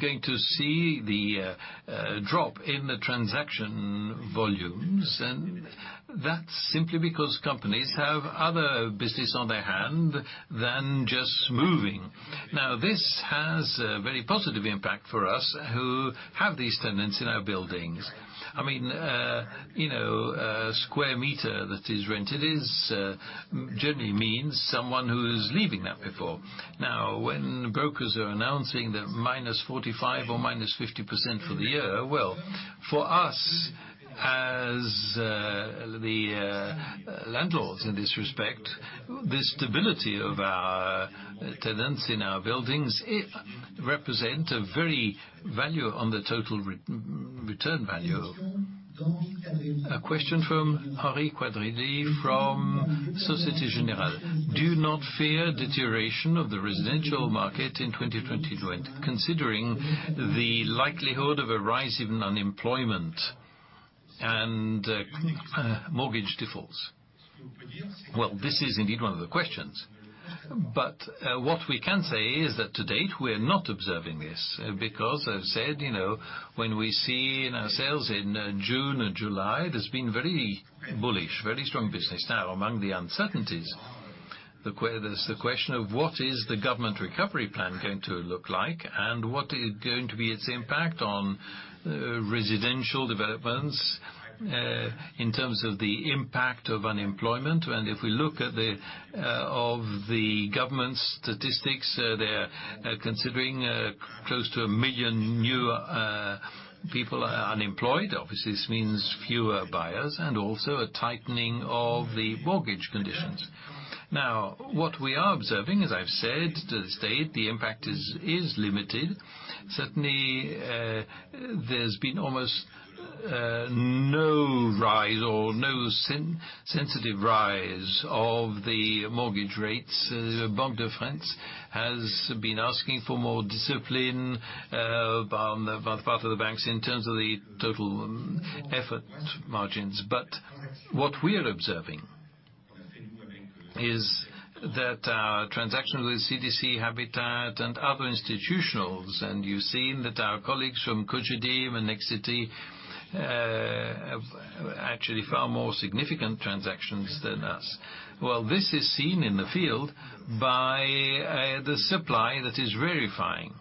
B: going to see the drop in the transaction volumes, and that's simply because companies have other business on their hand than just moving. This has a very positive impact for us, who have these tenants in our buildings. A square meter that is rented generally means someone who is leaving that before. When brokers are announcing that -45% or -50% for the year, well, for us as the landlords in this respect, the stability of our tenants in our buildings represent a very value on the total return value. A question from Harry Quadridi from Société Générale. "Do you not fear deterioration of the residential market in 2020, considering the likelihood of a rise in unemployment and mortgage defaults?" Well, this is indeed one of the questions. What we can say is that to date, we are not observing this because I've said, when we see in our sales in June and July, there's been very bullish, very strong business. Among the uncertainties, there's the question of what is the government recovery plan going to look like and what is going to be its impact on residential developments in terms of the impact of unemployment. If we look at all of the government statistics, they're considering close to 1 million new people unemployed. Obviously, this means fewer buyers and also a tightening of the mortgage conditions. What we are observing, as I've said, to this date, the impact is limited. Certainly, there's been almost no rise or no sensitive rise of the mortgage rates. Banque de France has been asking for more discipline on the part of the banks in terms of the total effort margins. What we are observing is that our transaction with CDC Habitat and other institutionals, and you've seen that our colleagues from Cogedim and Nexity have actually far more significant transactions than us. Well, this is seen in the field by the supply that is verifying.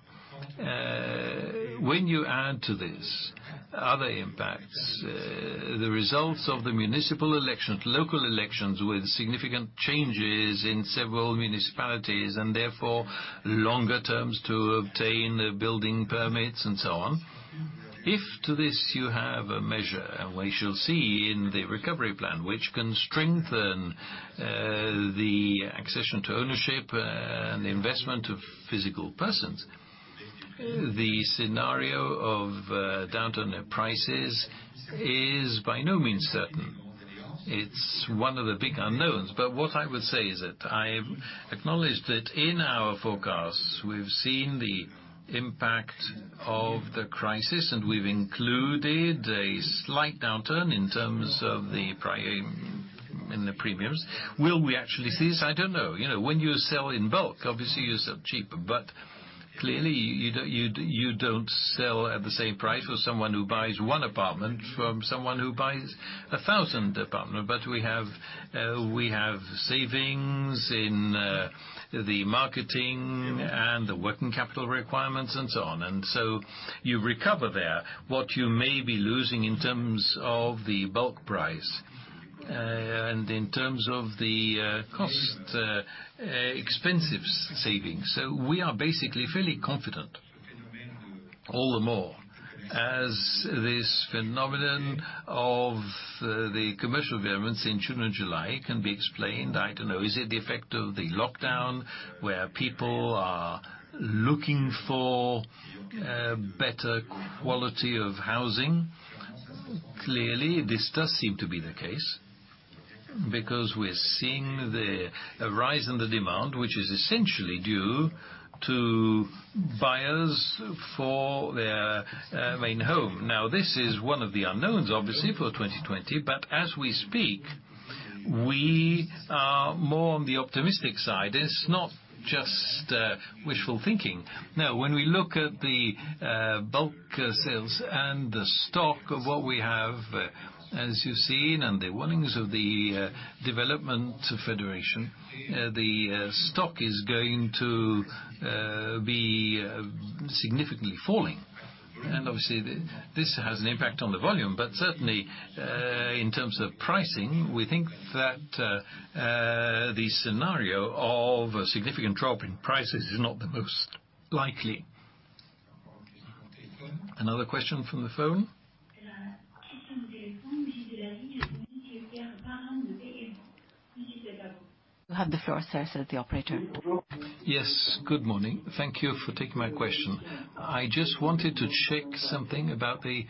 B: When you add to this other impacts, the results of the municipal elections, local elections with significant changes in several municipalities and therefore longer terms to obtain building permits and so on. If to this you have a measure, and we shall see in the recovery plan, which can strengthen the accession to ownership and the investment of physical persons, the scenario of downturn in prices is by no means certain. It's one of the big unknowns. What I would say is that I acknowledge that in our forecasts, we've seen the impact of the crisis, and we've included a slight downturn in terms of the premiums. Will we actually see this? I don't know. When you sell in bulk, obviously you sell cheaper, but clearly you don't sell at the same price for someone who buys one apartment from someone who buys 1,000 apartments. We have savings in the marketing and the working capital requirements and so on. You recover there what you may be losing in terms of the bulk price, and in terms of the cost, expenses savings. We are basically fairly confident all the more as this phenomenon of the commercial developments in June and July can be explained. I don't know, is it the effect of the lockdown where people are looking for better quality of housing? Clearly, this does seem to be the case, because we're seeing the rise in the demand, which is essentially due to buyers for their main home. This is one of the unknowns, obviously, for 2020. As we speak, we are more on the optimistic side. It's not just wishful thinking. No. When we look at the bulk sales and the stock of what we have, as you've seen, and the warnings of the development federation, the stock is going to be significantly falling. Obviously this has an impact on the volume. Certainly, in terms of pricing, we think that the scenario of a significant drop in prices is not the most likely. Another question from the phone?
D: You have the floor.
H: Yes. Good morning. Thank you for taking my question. I just wanted to check something about the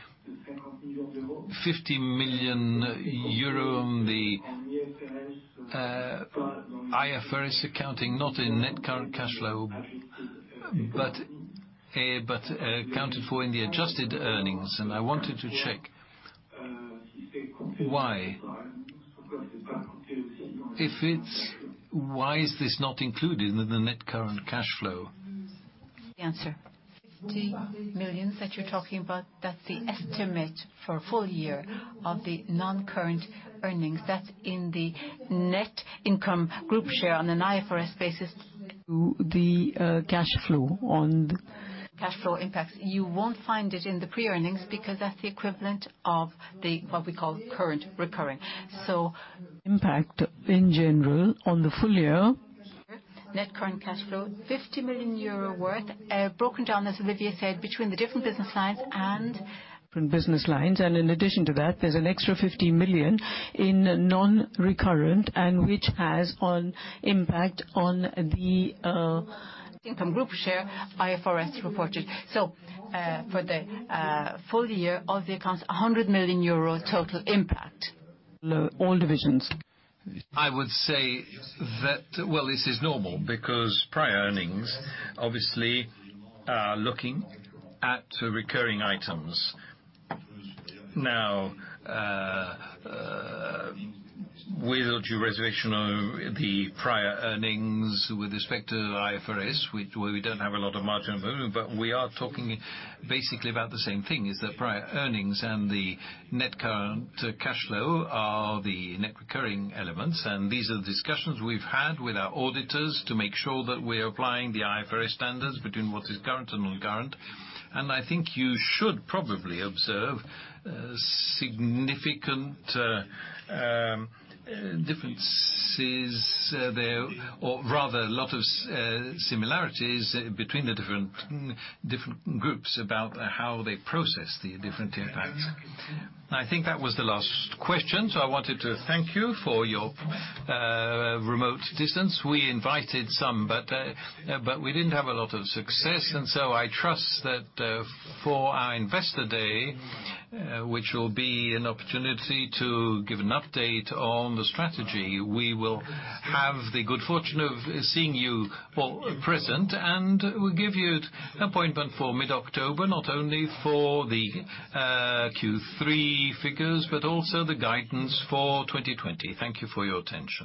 H: 50 million euro on the IFRS accounting, not in net current cash flow, but accounted for in the adjusted earnings. I wanted to check why is this not included in the net current cash flow?
C: The answer. 50 million that you're talking about, that's the estimate for full year of the non-current earnings. That's in the net income group share on an IFRS basis.
H: The cash flow on-
C: Cash flow impacts. You won't find it in the pre-earnings because that's the equivalent of what we call current recurring.
H: Impact in general on the full year.
C: Net current cash flow, 50 million euro worth, broken down, as Olivier said, between the different business lines.
H: Different business lines, in addition to that, there's an extra 50 million in non-recurrent, and which has an impact.
C: Income group share IFRS reported. For the full year of the accounts, 100 million euro total impact.
H: All divisions.
B: I would say that, well, this is normal because prior earnings obviously are looking at recurring items. With due reservation of the prior earnings with respect to IFRS, where we don't have a lot of margin movement, but we are talking basically about the same thing, is that prior earnings and the net current cash flow are the net recurring elements. These are the discussions we've had with our auditors to make sure that we're applying the IFRS standards between what is current and non-current. I think you should probably observe significant differences there, or rather a lot of similarities between the different groups about how they process the different impacts. I think that was the last question. I wanted to thank you for your remote distance. We invited some, but we didn't have a lot of success. I trust that for our Investor Day, which will be an opportunity to give an update on the strategy, we will have the good fortune of seeing you all present, and we'll give you an appointment for mid-October, not only for the Q3 figures, but also the guidance for 2020. Thank you for your attention.